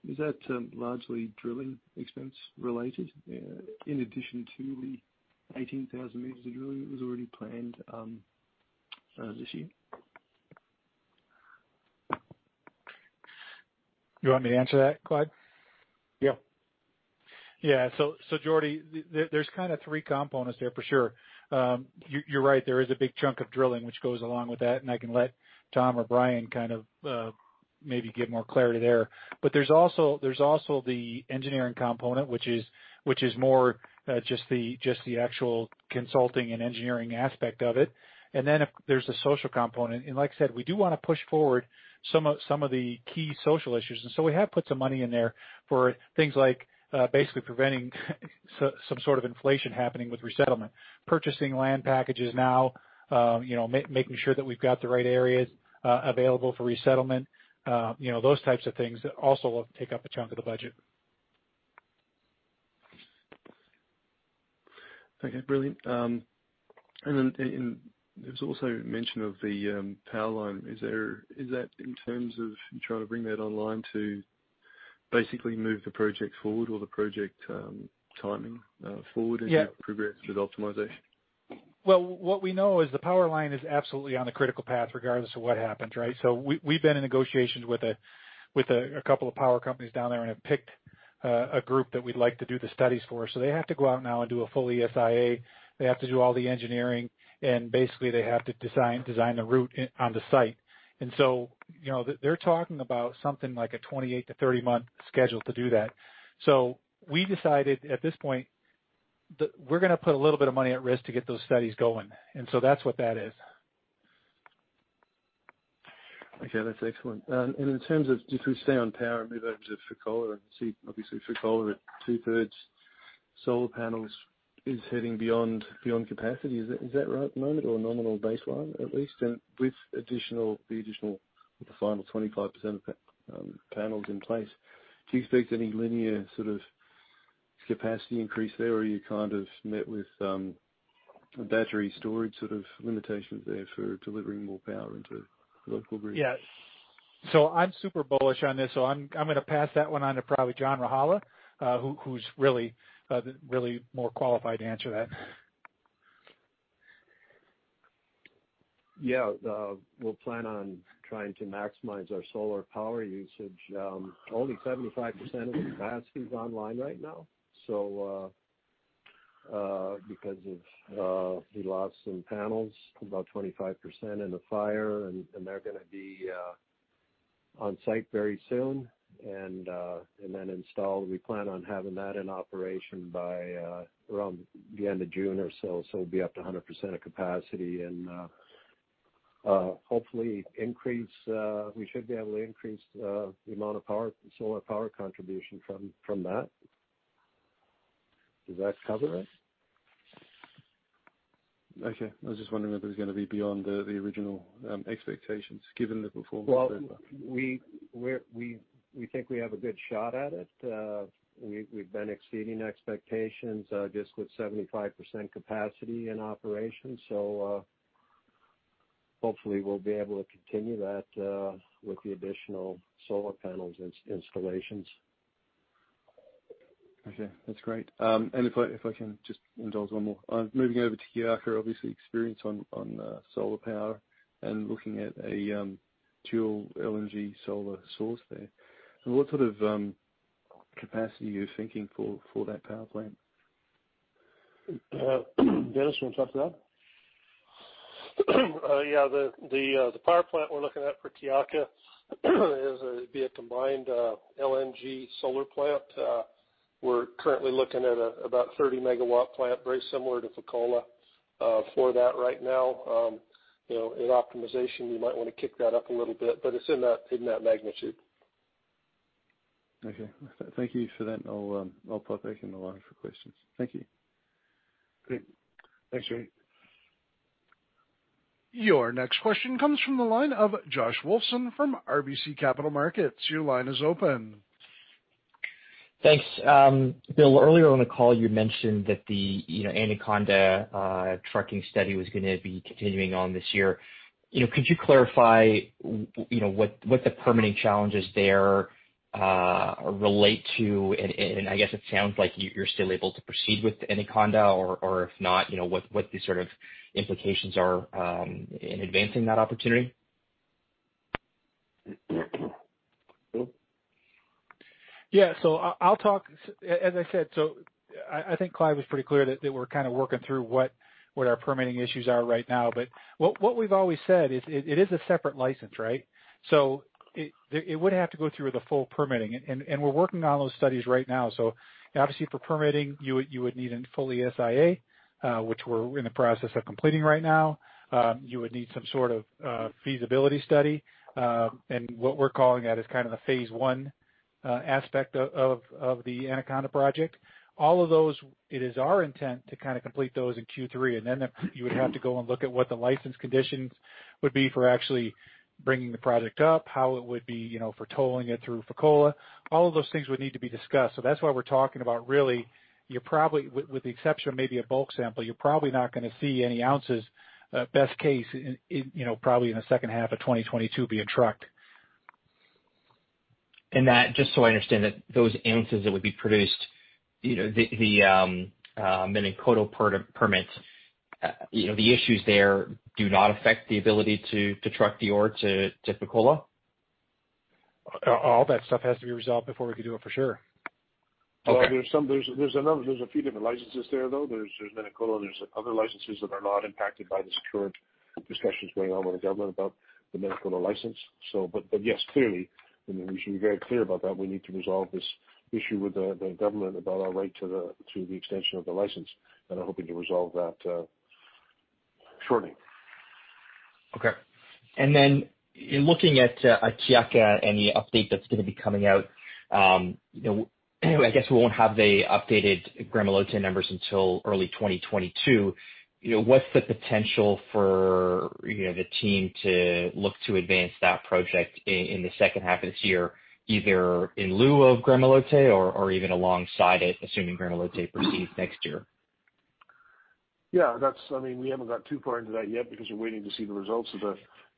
is that largely drilling expense related in addition to the 18,000 meters of drilling that was already planned this year? You want me to answer that, Clive? Yeah. Yeah. Geordie, there's three components there for sure. You're right, there is a big chunk of drilling which goes along with that, and I can let Tom or Brian maybe give more clarity there. There's also the engineering component, which is more just the actual consulting and engineering aspect of it. Then there's the social component. Like I said, we do want to push forward some of the key social issues. We have put some money in there for things like basically preventing some sort of inflation happening with resettlement. Purchasing land packages now, making sure that we've got the right areas available for resettlement. Those types of things also take up a chunk of the budget. Okay, brilliant. There was also mention of the power line. Is that in terms of trying to bring that online to basically move the project forward or the project timing forward as you progress with optimization? Well, what we know is the power line is absolutely on the critical path regardless of what happens, right? We've been in negotiations with a couple of power companies down there and have picked a group that we'd like to do the studies for. They have to go out now and do a full ESIA. They have to do all the engineering, and basically they have to design the route on the site. They're talking about something like a 28 to 30-month schedule to do that. We decided at this point that we're going to put a little bit of money at risk to get those studies going. That's what that is. Okay, that's excellent. In terms of, if we stay on power and move over to Fekola, and obviously Fekola at two-thirds solar panels is hitting beyond capacity. Is that right at the moment or nominal baseline at least? With the additional final 25% of the panels in place, do you expect any linear capacity increase there, or are you met with battery storage limitations there for delivering more power into the local grid? Yeah. I'm super bullish on this, so I'm going to pass that one on to probably John Rajala, who's really more qualified to answer that. Yeah. We'll plan on trying to maximize our solar power usage. Only 75% of the capacity is online right now. We lost some panels, about 25% in a fire, and they're going to be on-site very soon and then installed. We plan on having that in operation by around the end of June or so. We'll be up to 100% of capacity and hopefully we should be able to increase the amount of solar power contribution from that. Does that cover it? Okay. I was just wondering if it was going to be beyond the original expectations, given the performance so far. We think we have a good shot at it. We've been exceeding expectations just with 75% capacity in operation. Hopefully we'll be able to continue that with the additional solar panels installations. Okay. That's great. If I can just indulge one more. Moving over to Kiaka, obviously experience on solar power and looking at a dual LNG solar source there. What sort of capacity are you thinking for that power plant? Dennis, you want to talk to that? Yeah. The power plant we're looking at for Kiaka is, it'd be a combined LNG solar plant. We're currently looking at about a 30 MW plant, very similar to Fekola, for that right now. In optimization, we might want to kick that up a little bit, but it's in that magnitude. Okay. Thank you for that. I'll pop back in the line for questions. Thank you. Great. Thanks, Geordie. Your next question comes from the line of Josh Wolfson from RBC Capital Markets. Your line is open. Thanks. Bill, earlier in the call you mentioned that the Anaconda trucking study was going to be continuing on this year. Could you clarify what the permitting challenges there relate to, and I guess it sounds like you're still able to proceed with Anaconda or, if not, what the sort of implications are in advancing that opportunity? Bill? As I said, I think Clive was pretty clear that we're kind of working through what our permitting issues are right now. What we've always said is it is a separate license, right? It would have to go through the full permitting, and we're working on those studies right now. Obviously, for permitting, you would need a full ESIA, which we're in the process of completing right now. You would need some sort of feasibility study. What we're calling that is kind of the phase I aspect of the Anaconda project. All of those, it is our intent to complete those in Q3, and then you would have to go and look at what the license conditions would be for actually bringing the project up, how it would be for tolling it through Fekola. All of those things would need to be discussed. That's why we're talking about really, with the exception of maybe a bulk sample, you're probably not going to see any ounces, best case, probably in the second half of 2022, being trucked. That, just so I understand that those ounces that would be produced, the Menankoto permit, the issues there do not affect the ability to truck the ore to Fekola? All that stuff has to be resolved before we can do it, for sure. Okay. There's a few different licenses there, though. There's Ménankoto, there's other licenses that are not impacted by the current discussions going on with the government about the Ménankoto license. Yes, clearly, we should be very clear about that. We need to resolve this issue with the government about our right to the extension of the license, and are hoping to resolve that shortly. Okay. In looking at Kiaka, any update that's going to be coming out, I guess we won't have the updated Gramalote numbers until early 2022. What's the potential for the team to look to advance that project in the second half of this year, either in lieu of Gramalote or even alongside it, assuming Gramalote proceeds next year? Yeah. We haven't got too far into that yet because we're waiting to see the results of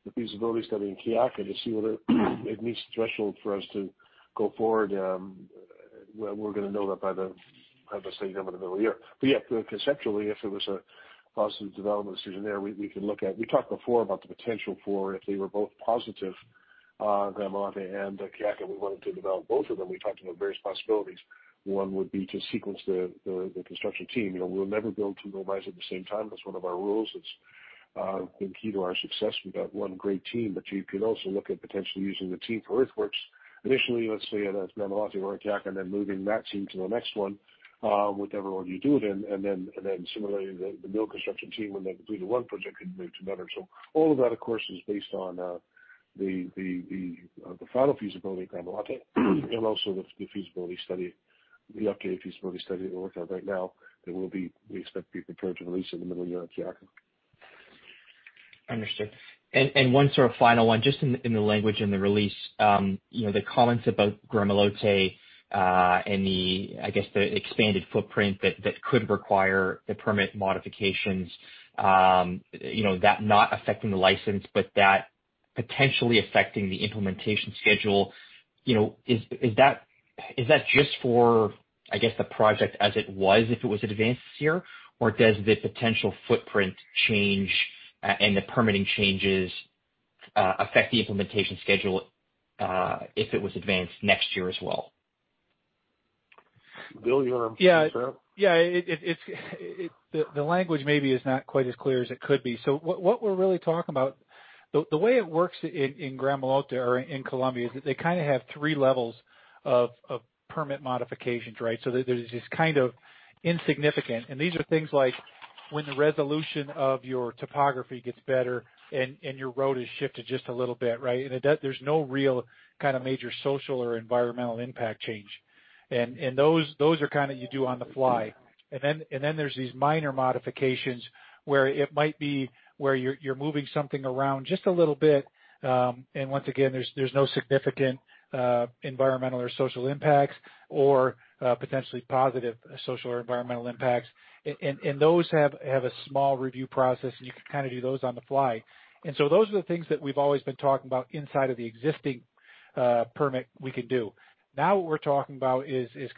the feasibility study in Kiaka to see whether it meets the threshold for us to go forward. We're going to know that by the, as I say, middle of the year. Yeah, conceptually, if there was a positive development decision there, we could look at, we talked before about the potential for if they were both positive, Gramalote and Kiaka, we wanted to develop both of them. We talked about various possibilities. One would be to sequence the construction team. We'll never build two mines at the same time. That's one of our rules that's been key to our success. We've got one great team, but you can also look at potentially using the team for earthworks initially, let's say, at Gramalote or at Kiaka, and then moving that team to the next one, whichever one you do it in. Similarly, the mill construction team when they complete the one project can move to another. All of that, of course, is based on the final feasibility at Gramalote, and also the updated feasibility study that we're working on right now, that we expect to be prepared to release in the middle of the year at Kiaka. Understood. One sort of final one, just in the language in the release. The comments about Gramalote, and I guess the expanded footprint that could require the permit modifications, that not affecting the license, but that potentially affecting the implementation schedule. Is that just for, I guess, the project as it was, if it was advanced this year? Or does the potential footprint change and the permitting changes affect the implementation schedule if it was advanced next year as well? Bill, you want to answer that? Yeah. The language maybe is not quite as clear as it could be. What we're really talking about, the way it works in Gramalote or in Colombia is that they have 3 levels of permit modifications. There's this insignificant, these are things like when the resolution of your topography gets better and your road is shifted just a little bit. There's no real major social or environmental impact change. Those you do on the fly. There's these minor modifications, where it might be where you're moving something around just a little bit. Once again, there's no significant environmental or social impacts or potentially positive social or environmental impacts. Those have a small review process, and you can do those on the fly. Those are the things that we've always been talking about inside of the existing permit we can do. What we're talking about is, as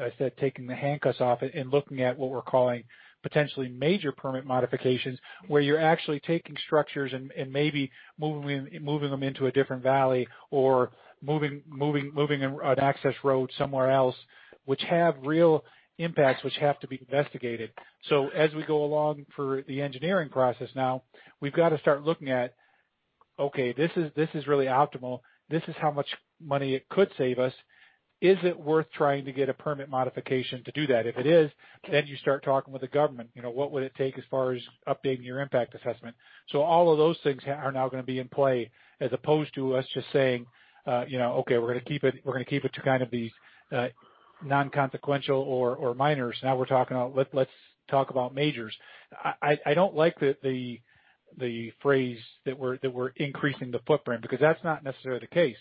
I said, taking the handcuffs off and looking at what we're calling potentially major permit modifications, where you're actually taking structures and maybe moving them into a different valley or moving an access road somewhere else, which have real impacts, which have to be investigated. As we go along for the engineering process now, we've got to start looking at, okay, this is really optimal. This is how much money it could save us. Is it worth trying to get a permit modification to do that? If it is, you start talking with the government. What would it take as far as updating your impact assessment? All of those things are now going to be in play as opposed to us just saying, okay, we're going to keep it to these non-consequential or minors. Let's talk about majors. I don't like the phrase that we're increasing the footprint, because that's not necessarily the case.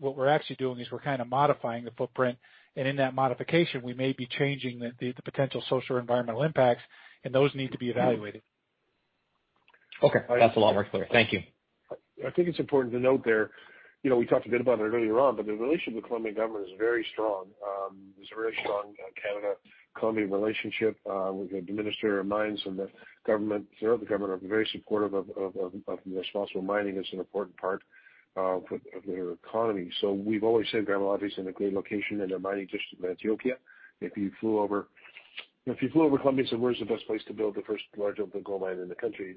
What we're actually doing is we're modifying the footprint, and in that modification, we may be changing the potential social or environmental impacts, and those need to be evaluated. Okay. That's a lot more clear. Thank you. I think it's important to note there, we talked a bit about it earlier on, but the relationship with the Colombian government is very strong. There's a very strong Canada-Colombian relationship, with the Minister of Mines and the government. They're helping the government, are very supportive of responsible mining as an important part of their economy. We've always said Gramalote's in a great location in the mining district of Antioquia. If you flew over Colombia and said, "Where's the best place to build the first large open gold mine in the country?"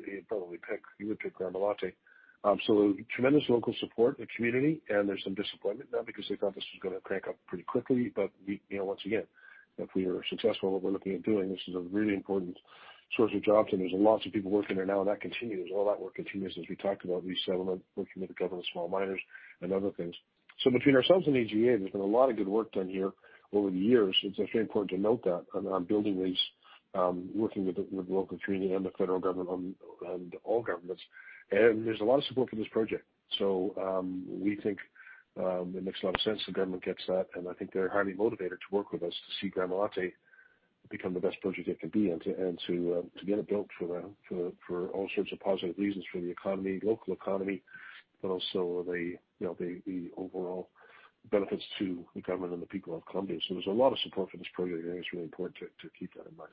You would pick Gramalote. Tremendous local support, the community, and there's some disappointment now because they thought this was going to crank up pretty quickly. Once again, if we are successful in what we're looking at doing, this is a really important source of jobs, and there's lots of people working there now, and that continues. All that work continues as we talked about, resettlement, working with the government, small miners, and other things. Between ourselves and AGA, there's been a lot of good work done here over the years. It's very important to note that on building these, working with the local community and the federal government and all governments. There's a lot of support for this project. We think it makes a lot of sense. The government gets that, and I think they're highly motivated to work with us to see Gramalote become the best project it can be and to get it built for all sorts of positive reasons for the economy, local economy, but also the overall benefits to the government and the people of Colombia. There's a lot of support for this project. I think it's really important to keep that in mind.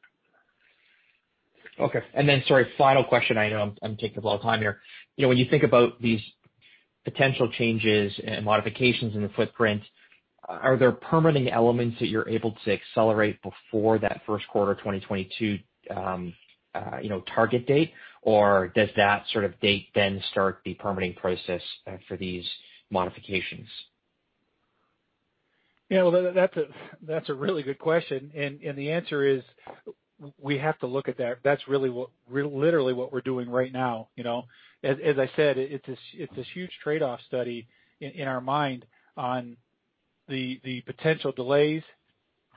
Okay. Sorry, final question. I know I'm taking up a lot of time here. When you think about these potential changes and modifications in the footprint, are there permitting elements that you're able to accelerate before that first quarter 2022 target date? Does that sort of date then start the permitting process for these modifications? That's a really good question. The answer is, we have to look at that. That's literally what we're doing right now. As I said, it's this huge trade-off study in our mind on the potential delays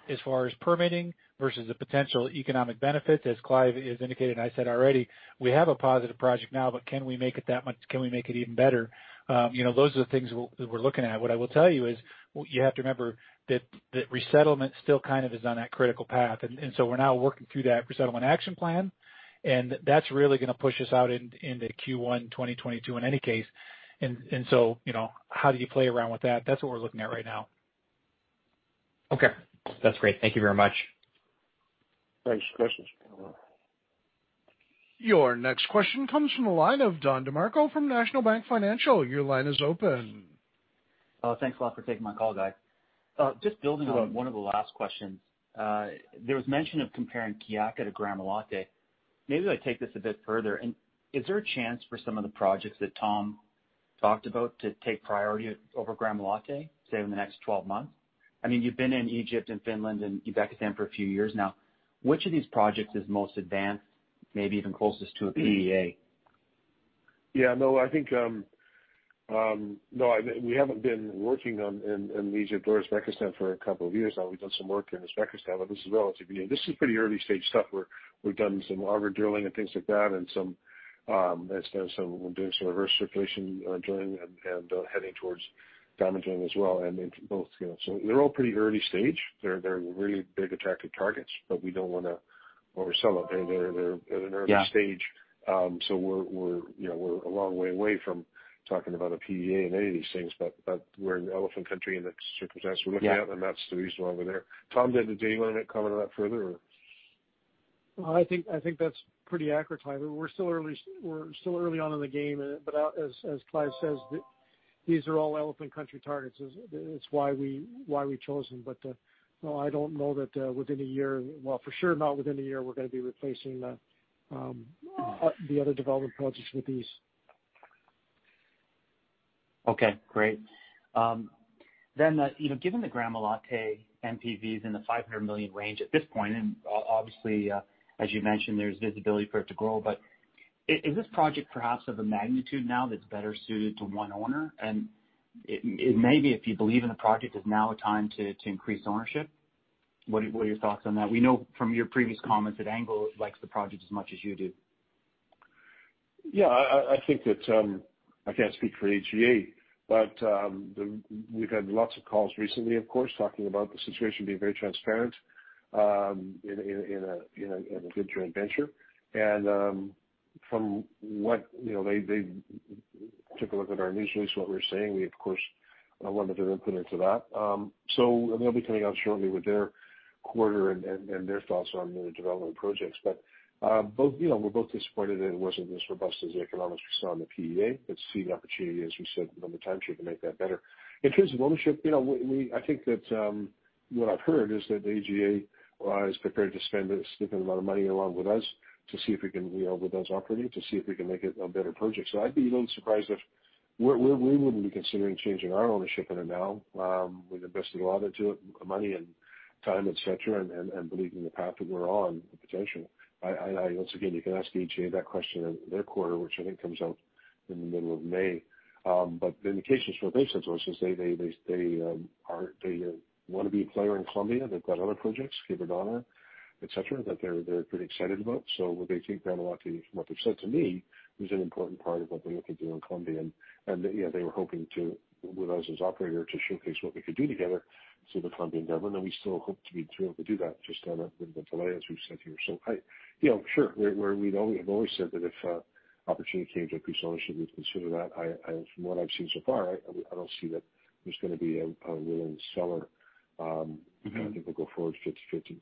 as far as permitting versus the potential economic benefits. As Clive has indicated and I said already, we have a positive project now, but can we make it even better? Those are the things that we're looking at. What I will tell you is, you have to remember that resettlement still is on that critical path. We're now working through that Resettlement Action Plan, and that's really going to push us out into Q1 2022 in any case. How do you play around with that? That's what we're looking at right now. Okay. That's great. Thank you very much. Thanks. Next question. Your next question comes from the line of Don DeMarco from National Bank Financial. Your line is open. Thanks a lot for taking my call, guys. Just building on one of the last questions. There was mention of comparing Kiaka to Gramalote. Maybe I take this a bit further, and is there a chance for some of the projects that Tom talked about to take priority over Gramalote, say, in the next 12 months? You've been in Egypt and Finland and Uzbekistan for a few years now. Which of these projects is most advanced, maybe even closest to a PEA? Yeah, no. We haven't been working in Egypt or Uzbekistan for a couple of years now. We've done some work in Uzbekistan, but this is relatively new. This is pretty early-stage stuff where we've done some auger drilling and things like that, and we're doing some reverse circulation drilling and heading towards diamond drilling as well. They're all pretty early stage. They're really big, attractive targets, but we don't want to oversell it. They're at an early stage. Yeah. We're a long way away from talking about a PEA in any of these things, but we're in elephant country in the circumstances we're looking at. Yeah. That's the reason why we're there. Tom, do you want to comment on that further or? I think that's pretty accurate, Clive. We're still early on in the game, as Clive says, these are all elephant country targets. It's why we chose them. No, I don't know that within a year, well, for sure not within a year, we're going to be replacing the other development projects with these. Okay, great. Given the Gramalote NPVs in the $500 million range at this point, and obviously, as you mentioned, there's visibility for it to grow, is this project perhaps of a magnitude now that's better suited to one owner? Maybe if you believe in the project, is now a time to increase ownership? What are your thoughts on that? We know from your previous comments that Anglo likes the project as much as you do. I can't speak for AGA, we've had lots of calls recently, of course, talking about the situation, being very transparent in a venture. From what they took a look at our news release, what we're saying, we, of course, wanted their input into that. They'll be coming out shortly with their quarter and their thoughts on the development projects. We're both disappointed that it wasn't as robust as the economics we saw on the PEA. See the opportunity, as we said a number of times, you can make that better. In terms of ownership, I think that what I've heard is that AGA is prepared to spend a significant amount of money along with us to see if we can, with us operating, to see if we can make it a better project. I'd be a little surprised if we wouldn't be considering changing our ownership in it now. We've invested a lot into it, money and time, et cetera, and believe in the path that we're on, the potential. Once again, you can ask AGA that question in their quarter, which I think comes out in the middle of May. The indications from what they've said to us is they want to be a player in Colombia. They've got other projects, [inaudible] et cetera, that they're pretty excited about. Where they take Gramalote, from what they've said to me, is an important part of what they're looking to do in Colombia. They were hoping to, with us as operator, to showcase what we could do together to the Colombian government, and we still hope to be able to do that, just on a little bit of delay, as we've said here. Sure. We have always said that if opportunity came to increase ownership, we'd consider that. From what I've seen so far, I don't see that there's going to be a willing seller. I think we'll go forward 50/50.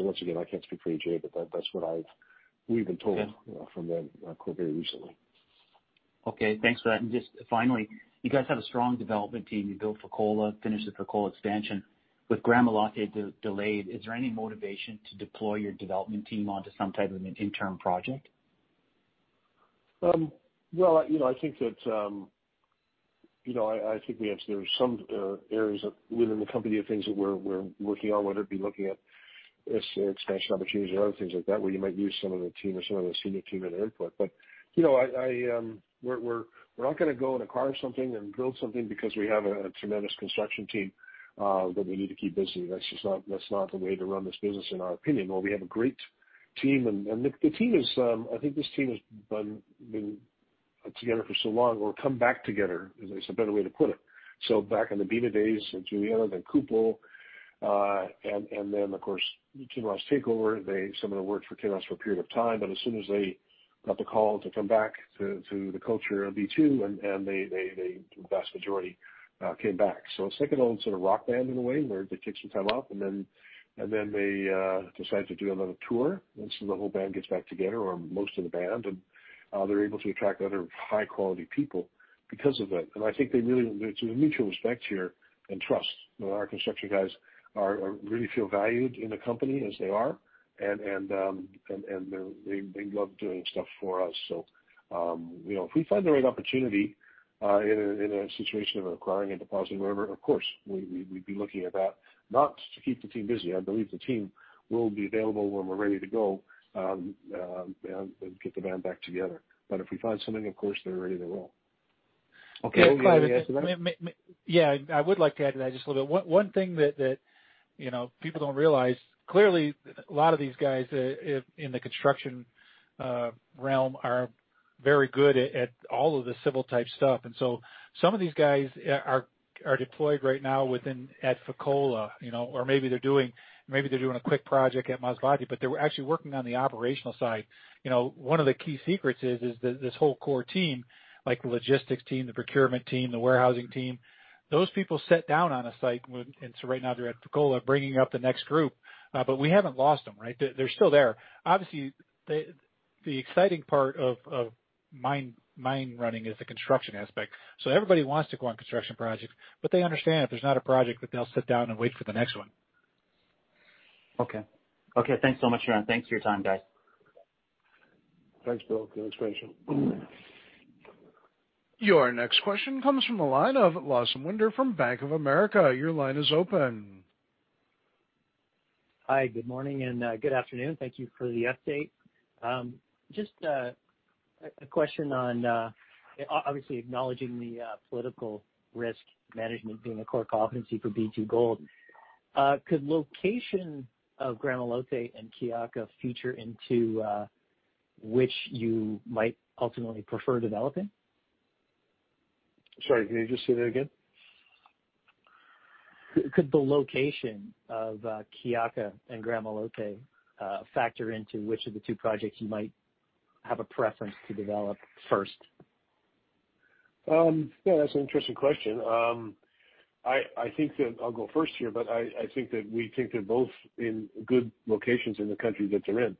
Once again, I can't speak for AGA, but that's what we've been told from them quite recently. Okay. Thanks for that. Just finally, you guys have a strong development team. You built Fekola, finished the Fekola expansion. With Gramalote delayed, is there any motivation to deploy your development team onto some type of an interim project? Well, I think there's some areas within the company of things that we're working on, whether it be looking at expansion opportunities or other things like that, where you might use some of the team or some of the senior team and input. We're not going to go and acquire something and build something because we have a tremendous construction team that we need to keep busy. That's not the way to run this business, in our opinion, although we have a great team. I think this team has been together for so long, or come back together is a better way to put it. Back in the Bema days, Julietta, then Kupol, of course, Kinross takeover. Some of them worked for Kinross for a period of time, but as soon as they got the call to come back to the culture of B2, the vast majority came back. It's like an old rock band in a way, where they take some time off, and then they decide to do another tour. The whole band gets back together, or most of the band, and they're able to attract other high-quality people because of that. I think there's a mutual respect here and trust. Our construction guys really feel valued in the company as they are, and they love doing stuff for us. If we find the right opportunity in a situation of acquiring a deposit wherever, of course, we'd be looking at that. Not to keep the team busy. I believe the team will be available when we're ready to go and get the band back together. If we find something, of course, they're ready, they will. Okay. William did you want to add to that? I would like to add to that just a little bit. One thing that people don't realize, clearly, a lot of these guys in the construction realm are very good at all of the civil type stuff. Some of these guys are deployed right now at Fekola, or maybe they're doing a quick project at Masbate, but they were actually working on the operational side. One of the key secrets is that this whole core team, like the logistics team, the procurement team, the warehousing team, those people set down on a site. Right now they're at Fekola bringing up the next group. We haven't lost them, right? They're still there. Obviously, the exciting part of mine running is the construction aspect. Everybody wants to go on construction projects, but they understand if there's not a project that they'll sit down and wait for the next one. Okay. Thanks so much, William. Thanks for your time, guys. Thanks, Bill. Good explanation. Your next question comes from the line of Lawson Winder from Bank of America. Your line is open. Hi, good morning and good afternoon. Thank you for the update. Just a question on, obviously acknowledging the political risk management being a core competency for B2Gold, could location of Gramalote and Kiaka feature into which you might ultimately prefer developing? Sorry, can you just say that again? Could the location of Kiaka and Gramalote factor into which of the two projects you might have a preference to develop first? That's an interesting question. I'll go first here, I think that we think they're both in good locations in the country that they're in.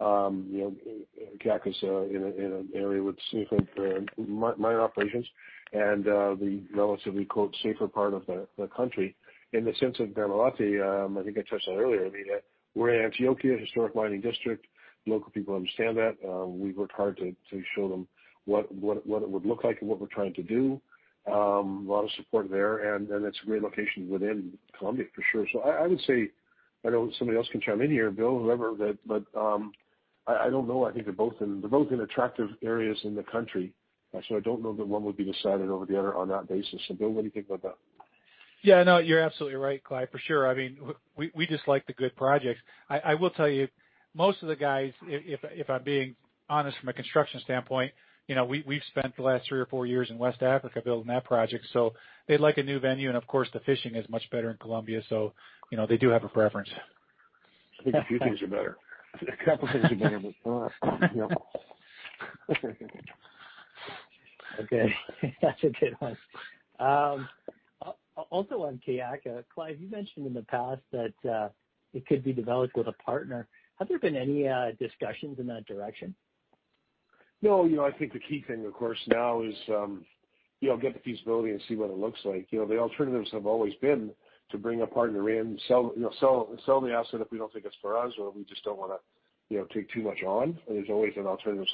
Kiaka is in an area with significant mine operations and the relatively "safer" part of the country. In the sense of, [inaudible] I think I touched on it earlier, we're in Antioquia, a historic mining district. Local people understand that. We've worked hard to show them what it would look like and what we're trying to do. A lot of support there, and it's a great location within Colombia, for sure. I would say, I know somebody else can chime in here, Bill, whoever, I don't know. I think they're both in attractive areas in the country. I don't know that one would be decided over the other on that basis. Bill, what do you think about that? Yeah, no, you're absolutely right, Clive, for sure. We just like the good projects. I will tell you, most of the guys, if I'm being honest from a construction standpoint, we've spent the last three or four years in West Africa building that project. They'd like a new venue, and of course, the fishing is much better in Colombia, so they do have a preference. I think a few things are better. A couple of things are better, but Okay. That's a good one. Also on Kiaka, Clive, you mentioned in the past that it could be developed with a partner. Have there been any discussions in that direction? I think the key thing, of course, now is get the feasibility and see what it looks like. The alternatives have always been to bring a partner in, sell the asset if we don't think it's for us or we just don't want to take too much on. There's always an alternative.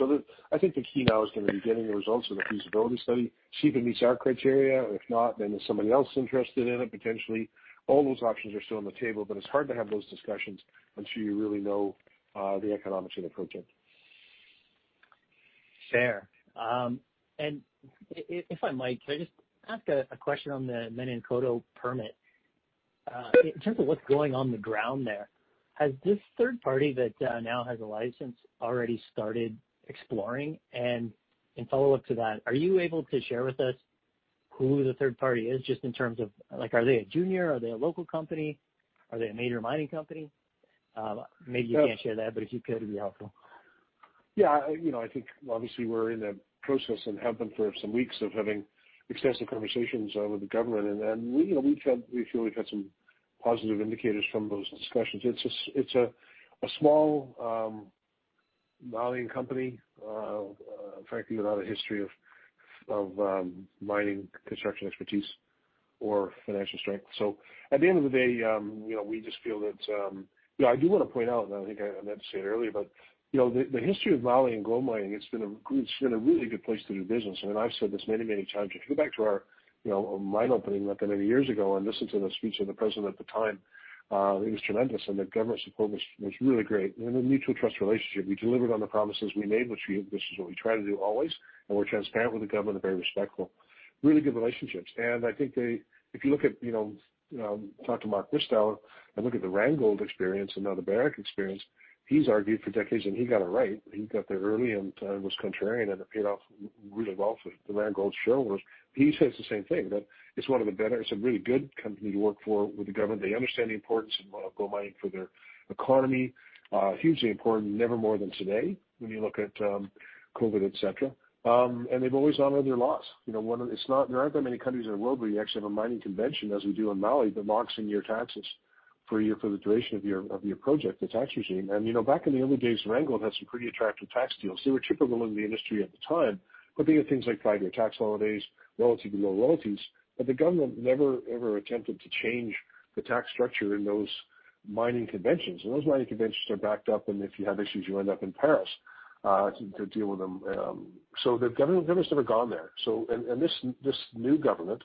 I think the key now is going to be getting the results of the feasibility study, see if it meets our criteria, or if not, then is somebody else interested in it, potentially. All those options are still on the table, but it's hard to have those discussions until you really know the economics of the project. Fair. If I might, can I just ask a question on the Ménankoto permit? In terms of what's going on the ground there, has this third party that now has a license already started exploring? In follow-up to that, are you able to share with us who the third party is just in terms of, are they a junior? Are they a local company? Are they a major mining company? Maybe you can't share that, but if you could, it'd be helpful. I think obviously we're in the process and have been for some weeks of having extensive conversations with the government, and we feel we've had some positive indicators from those discussions. It's a small mining company, frankly, without a history of mining construction expertise or financial strength. At the end of the day, we just feel that I do want to point out, and I think I meant to say it earlier, but the history of Mali and gold mining, it's been a really good place to do business, and I've said this many, many times. If you go back to our mine opening not that many years ago and listen to the speech of the president at the time, it was tremendous, and the government support was really great, and a mutual trust relationship. We delivered on the promises we made, this is what we try to do always, and we're transparent with the government and very respectful. Really good relationships. I think if you look at, talk to Mark Bristow and look at the Randgold experience and now the Barrick experience, he's argued for decades, and he got it right. He got there early and was contrarian, it paid off really well for the Randgold shareholders. He says the same thing, that it's a really good country to work for with the government. They understand the importance of gold mining for their economy. Hugely important, never more than today when you look at COVID, et cetera. They've always honored their laws. There aren't that many countries in the world where you actually have a mining convention, as we do in Mali, that locks in your taxes for the duration of your project, the tax regime. Back in the early days, Randgold had some pretty attractive tax deals. They were typical in the industry at the time, but they had things like five-year tax holidays, relatively low royalties, but the government never, ever attempted to change the tax structure in those mining conventions. Those mining conventions are backed up, and if you have issues, you end up in Paris to deal with them. The government's never gone there. This new government,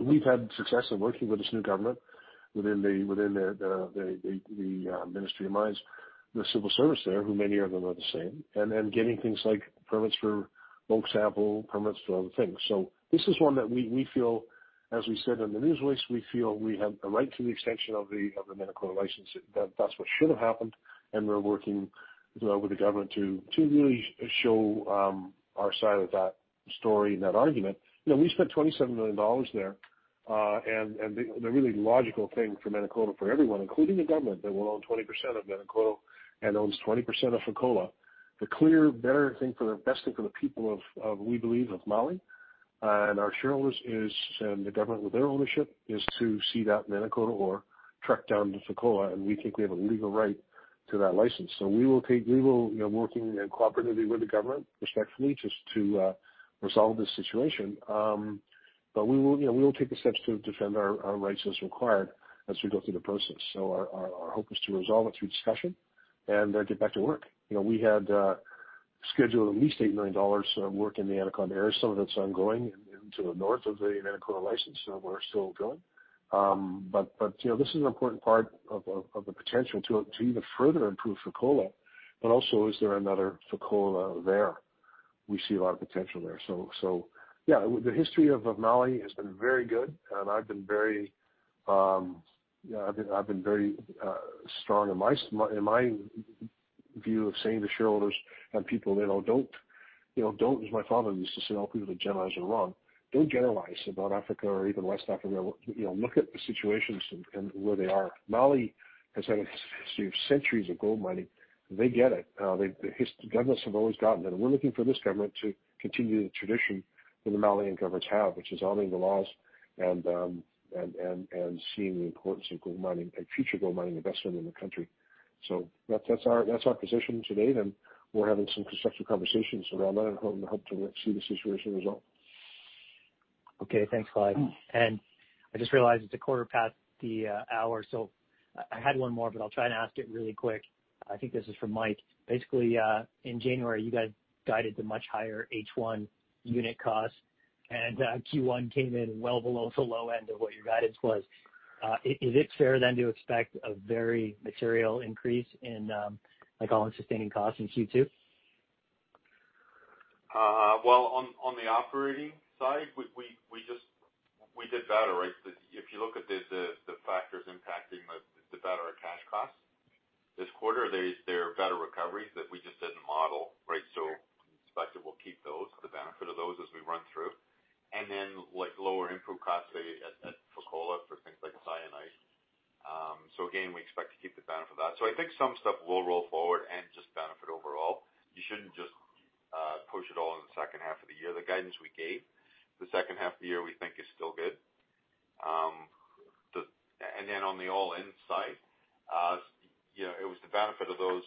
we've had success in working with this new government within the Ministry of Mines, the civil service there, who many of them are the same, and getting things like permits for bulk sample, permits for other things. This is one that we feel, as we said in the news release, we feel we have a right to the extension of the Ménankoto license. That's what should have happened, and we're working with the government to really show our side of that story and that argument. We spent $27 million there, and the really logical thing for Ménankoto, for everyone, including the government, that will own 20% of Ménankoto and owns 20% of Fekola, best thing for the people of, we believe, of Mali, and our shareholders is, and the government with their ownership, is to see that Ménankoto ore truck down to Fekola, and we think we have a legal right to that license. We will be working cooperatively with the government respectfully just to resolve this situation, but we will take the steps to defend our rights as required as we go through the process. Our hope is to resolve it through discussion and get back to work. We had scheduled at least $8 million of work in the Ménankoto area. Some of it's ongoing to the north of the Ménankoto license, so we're still going. But this is an important part of the potential to even further improve Fekola, but also, is there another Fekola there? We see a lot of potential there. Yeah, the history of Mali has been very good, and I've been very strong in my view of saying to shareholders and people, don't, as my father used to say, don't believe the gentiles are wrong. Don't generalize about Africa or even West Africa. Look at the situations and where they are. Mali has had a history of centuries of gold mining. They get it. The governments have always gotten it, and we're looking for this government to continue the tradition that the Malian governments have, which is honoring the laws and seeing the importance of gold mining and future gold mining investment in the country. That's our position today, and we're having some constructive conversations around that and hope to see the situation resolve. Okay, thanks, Clive. I just realized it's a quarter past the hour, so I had one more, but I'll try and ask it really quick. I think this is for Mike. Basically, in January, you guys guided the much higher H1 unit cost, and Q1 came in well below the low end of what your guidance was. Is it fair then to expect a very material increase in all-in sustaining costs in Q2? Well, on the operating side, we did better, right? If you look at the factors impacting the better our cash costs this quarter, there are better recoveries that we just didn't model, right? We expect that we'll keep those, the benefit of those, as we run through. Lower input costs at Fekola for things like cyanide. Again, we expect to keep the benefit of that. I think some stuff will roll forward and just benefit overall. You shouldn't just push it all in the second half of the year. The guidance we gave, the second half of the year, we think is still good. On the all-in side, it was the benefit of those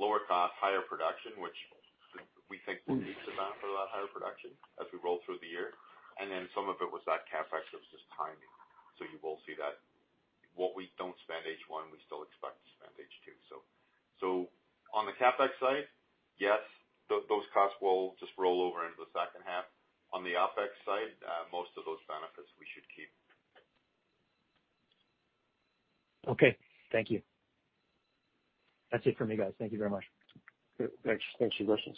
lower cost, higher production, which we think will meet the benefit of that higher production as we roll through the year. Some of it was that CapEx was just timing. You will see that. What we don't spend H1, we still expect to spend H2. On the CapEx side, yes, those costs will just roll over into the second half. On the OpEx side, most of those benefits we should keep. Okay. Thank you. That's it for me, guys. Thank you very much. Good. Thanks. Thanks for your questions.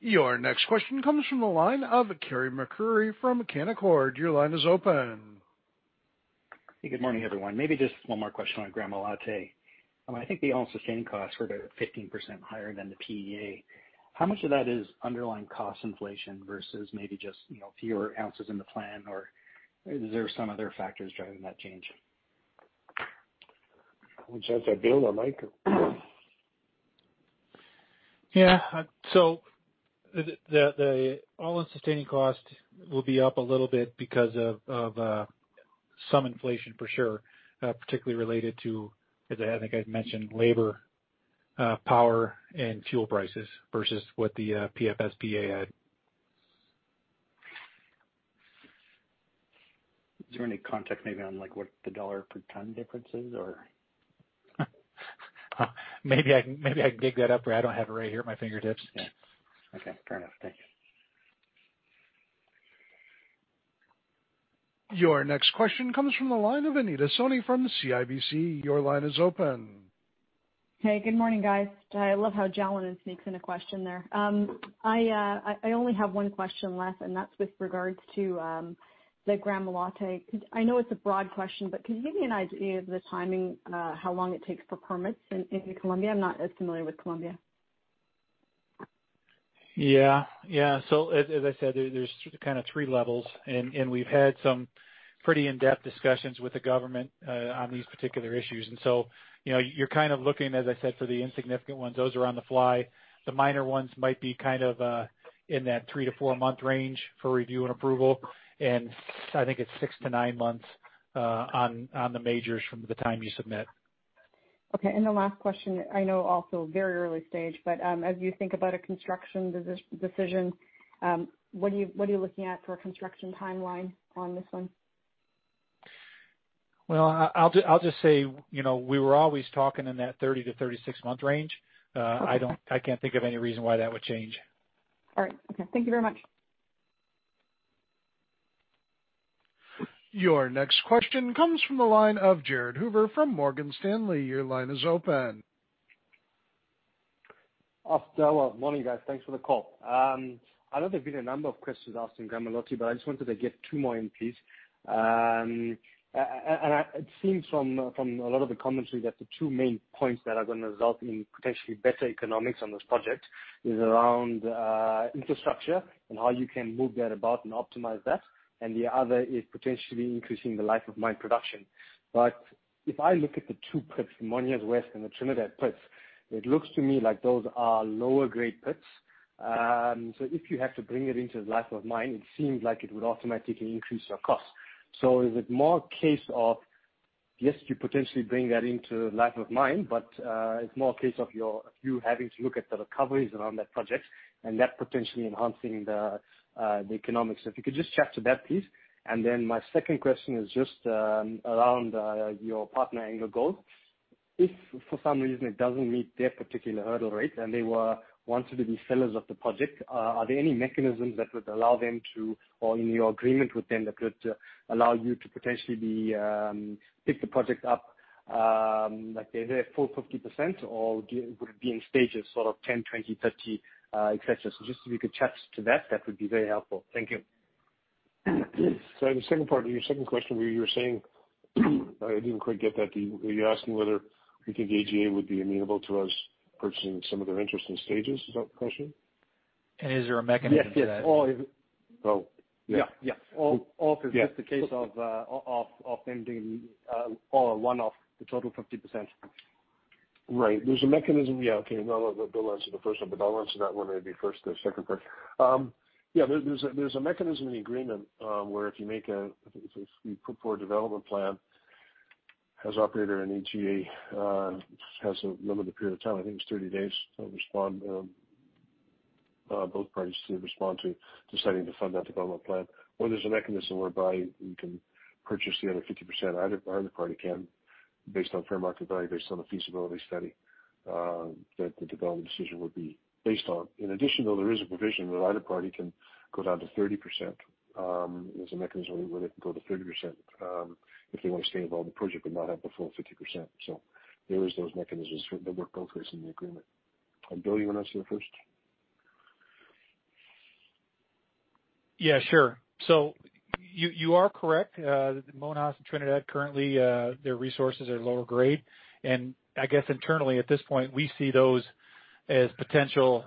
Your next question comes from the line of Carey MacRury from Canaccord. Your line is open. Hey, good morning, everyone. Maybe just one more question on Gramalote. I think the all-in sustaining costs were about 15% higher than the PEA. How much of that is underlying cost inflation versus maybe just fewer ounces in the plan? Is there some other factors driving that change? Which answer, Bill or Mike? Yeah. The all-in sustaining cost will be up a little bit because of some inflation for sure, particularly related to, as I think I've mentioned, labor, power, and fuel prices versus what the PFS PEA had. Is there any context maybe on what the dollar per ton difference is? Maybe I can dig that up. I don't have it right here at my fingertips. Yeah. Okay, fair enough. Thank you. Your next question comes from the line of Anita Soni from CIBC. Your line is open. Hey, good morning, guys. I love how Jalen sneaks in a question there. I only have one question left, and that's with regards to the Gramalote. I know it's a broad question, but can you give me an idea of the timing, how long it takes for permits in Colombia? I'm not as familiar with Colombia. As I said, there's kind of three levels. We've had some pretty in-depth discussions with the government on these particular issues. You're kind of looking, as I said, for the insignificant ones. Those are on the fly. The minor ones might be kind of in that three to four-month range for review and approval. I think it's six to nine months on the majors from the time you submit. Okay, the last question, I know also very early stage, but as you think about a construction decision, what are you looking at for a construction timeline on this one? Well, I'll just say, we were always talking in that 30-36 month range. Okay. I can't think of any reason why that would change. All right. Okay. Thank you very much. Your next question comes from the line of Jared Hoover from Morgan Stanley. Your line is open. Morning, guys. Thanks for the call. I know there have been a number of questions asked in Gramalote, but I just wanted to get two more in, please. It seems from a lot of the commentary that the two main points that are going to result in potentially better economics on this project is around infrastructure and how you can move that about and optimize that. The other is potentially increasing the life of mine production. If I look at the two pits, Monjas West and the Trinidad pits, it looks to me like those are lower grade pits. If you have to bring it into the life of mine, it seems like it would automatically increase your cost. Is it more a case of, yes, you potentially bring that into life of mine, but it's more a case of you having to look at the recoveries around that project and that potentially enhancing the economics? If you could just chat to that, please. My second question is just around your partner, AngloGold. If for some reason it doesn't meet their particular hurdle rate and they were wanted to be sellers of the project, are there any mechanisms that would allow them to, or in your agreement with them, that would allow you to potentially pick the project up, like their full 50%, or would it be in stages, sort of 10, 20, 30, et cetera? Just if you could chat to that would be very helpful. Thank you. Sorry, the second part of your second question where you were saying, I didn't quite get that. Were you asking whether we think AGA would be amenable to us purchasing some of their interest in stages? Is that the question? Is there a mechanism to that? Yes. Oh, yeah. Yeah. If it's the case of offsetting or a one-off, the total 50%. Right. There's a mechanism, yeah, okay. Bill answered the first one, but I'll answer that one maybe first, the second part. There's a mechanism in the agreement, where if you put forward a development plan as operator and AGA has a limited period of time, I think it's 30 days to respond, both parties to respond to deciding to fund that development plan. There's a mechanism whereby we can purchase the other 50%, either party can, based on fair market value, based on the feasibility study, that the development decision would be based on. In addition, though, there is a provision where either party can go down to 30%. There's a mechanism where they can go to 30%, if they want to stay involved in the project but not have the full 50%. There is those mechanisms that work both ways in the agreement. Bill, you want to answer the first? Yeah, sure. You are correct. Monjas and Trinidad currently, their resources are lower grade. I guess internally at this point, we see those as potential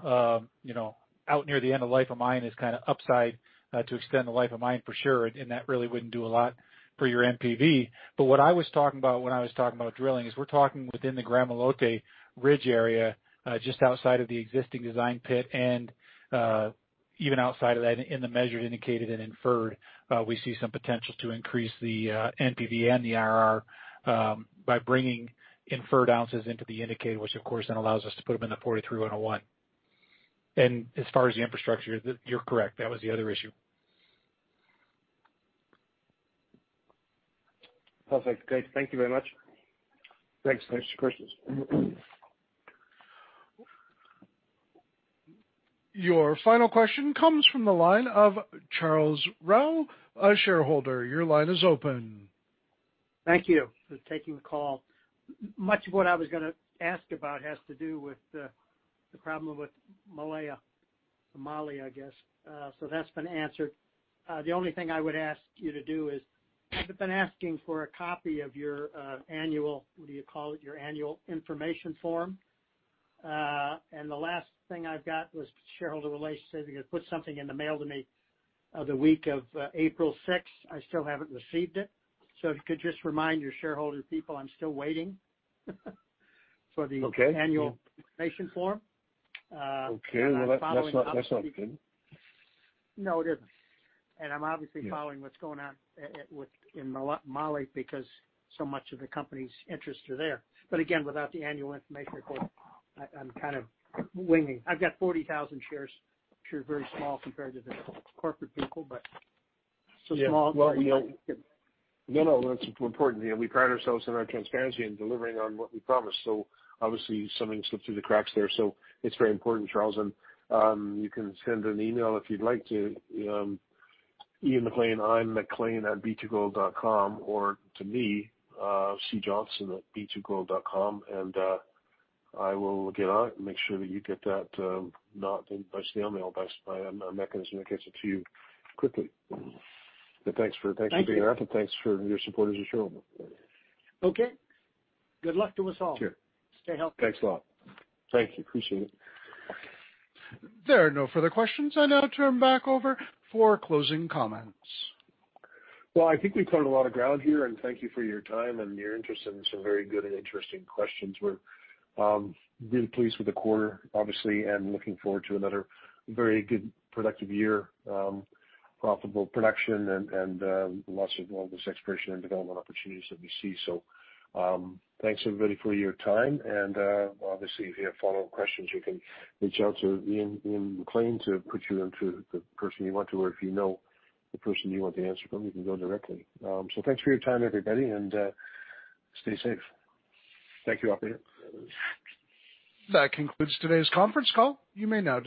out near the end of life of mine as upside to extend the life of mine for sure, that really wouldn't do a lot for your NPV. What I was talking about when I was talking about drilling is we're talking within the Gramalote ridge area, just outside of the existing design pit and even outside of that in the measured indicated and inferred, we see some potential to increase the NPV and the IRR by bringing inferred ounces into the indicated, which of course then allows us to put them in the 43-101. As far as the infrastructure, you're correct, that was the other issue. Perfect. Great. Thank you very much. Thanks. Thanks for the questions. Your final question comes from the line of Charles Rowe, a shareholder. Your line is open. Thank you for taking the call. Much of what I was going to ask about has to do with the problem with Mali, I guess. That's been answered. The only thing I would ask you to do is, I've been asking for a copy of your annual, what do you call it? Your annual information form. The last thing I've got was shareholder relations said they put something in the mail to me the week of April 6th. I still haven't received it. If you could just remind your shareholder people I'm still waiting for the annual information form. Okay. Annual information form. Okay. Well, that's not good. No, it isn't. I'm obviously following what's going on in Mali because so much of the company's interests are there. Again, without the annual information report, I'm kind of winging. I've got 40,000 shares. I'm sure very small compared to the corporate people, but so small. Well, no. No, that's important. We pride ourselves on our transparency and delivering on what we promise. Obviously something slipped through the cracks there, so it's very important, Charles, and you can send an email if you'd like to Ian MacLean, imaclean@b2gold.com or to me, cjohnson@b2gold.com, and I will get on it and make sure that you get that, not by snail mail, by a mechanism that gets it to you quickly. Thanks for being here. Thank you. Thanks for your support as a shareholder. Okay. Good luck to us all. Sure. Stay healthy. Thanks a lot. Thank you. Appreciate it. There are no further questions. I now turn back over for closing comments. Well, I think we covered a lot of ground here. Thank you for your time and your interest and some very good and interesting questions. We're really pleased with the quarter, obviously, and looking forward to another very good productive year, profitable production and lots of all this exploration and development opportunities that we see. Thanks everybody for your time. Obviously, if you have follow-up questions, you can reach out to Ian McLean to put you into the person you want to, or if you know the person you want the answer from, you can go directly. Thanks for your time, everybody, and stay safe. Thank you, operator. That concludes today's conference call. You may now disconnect.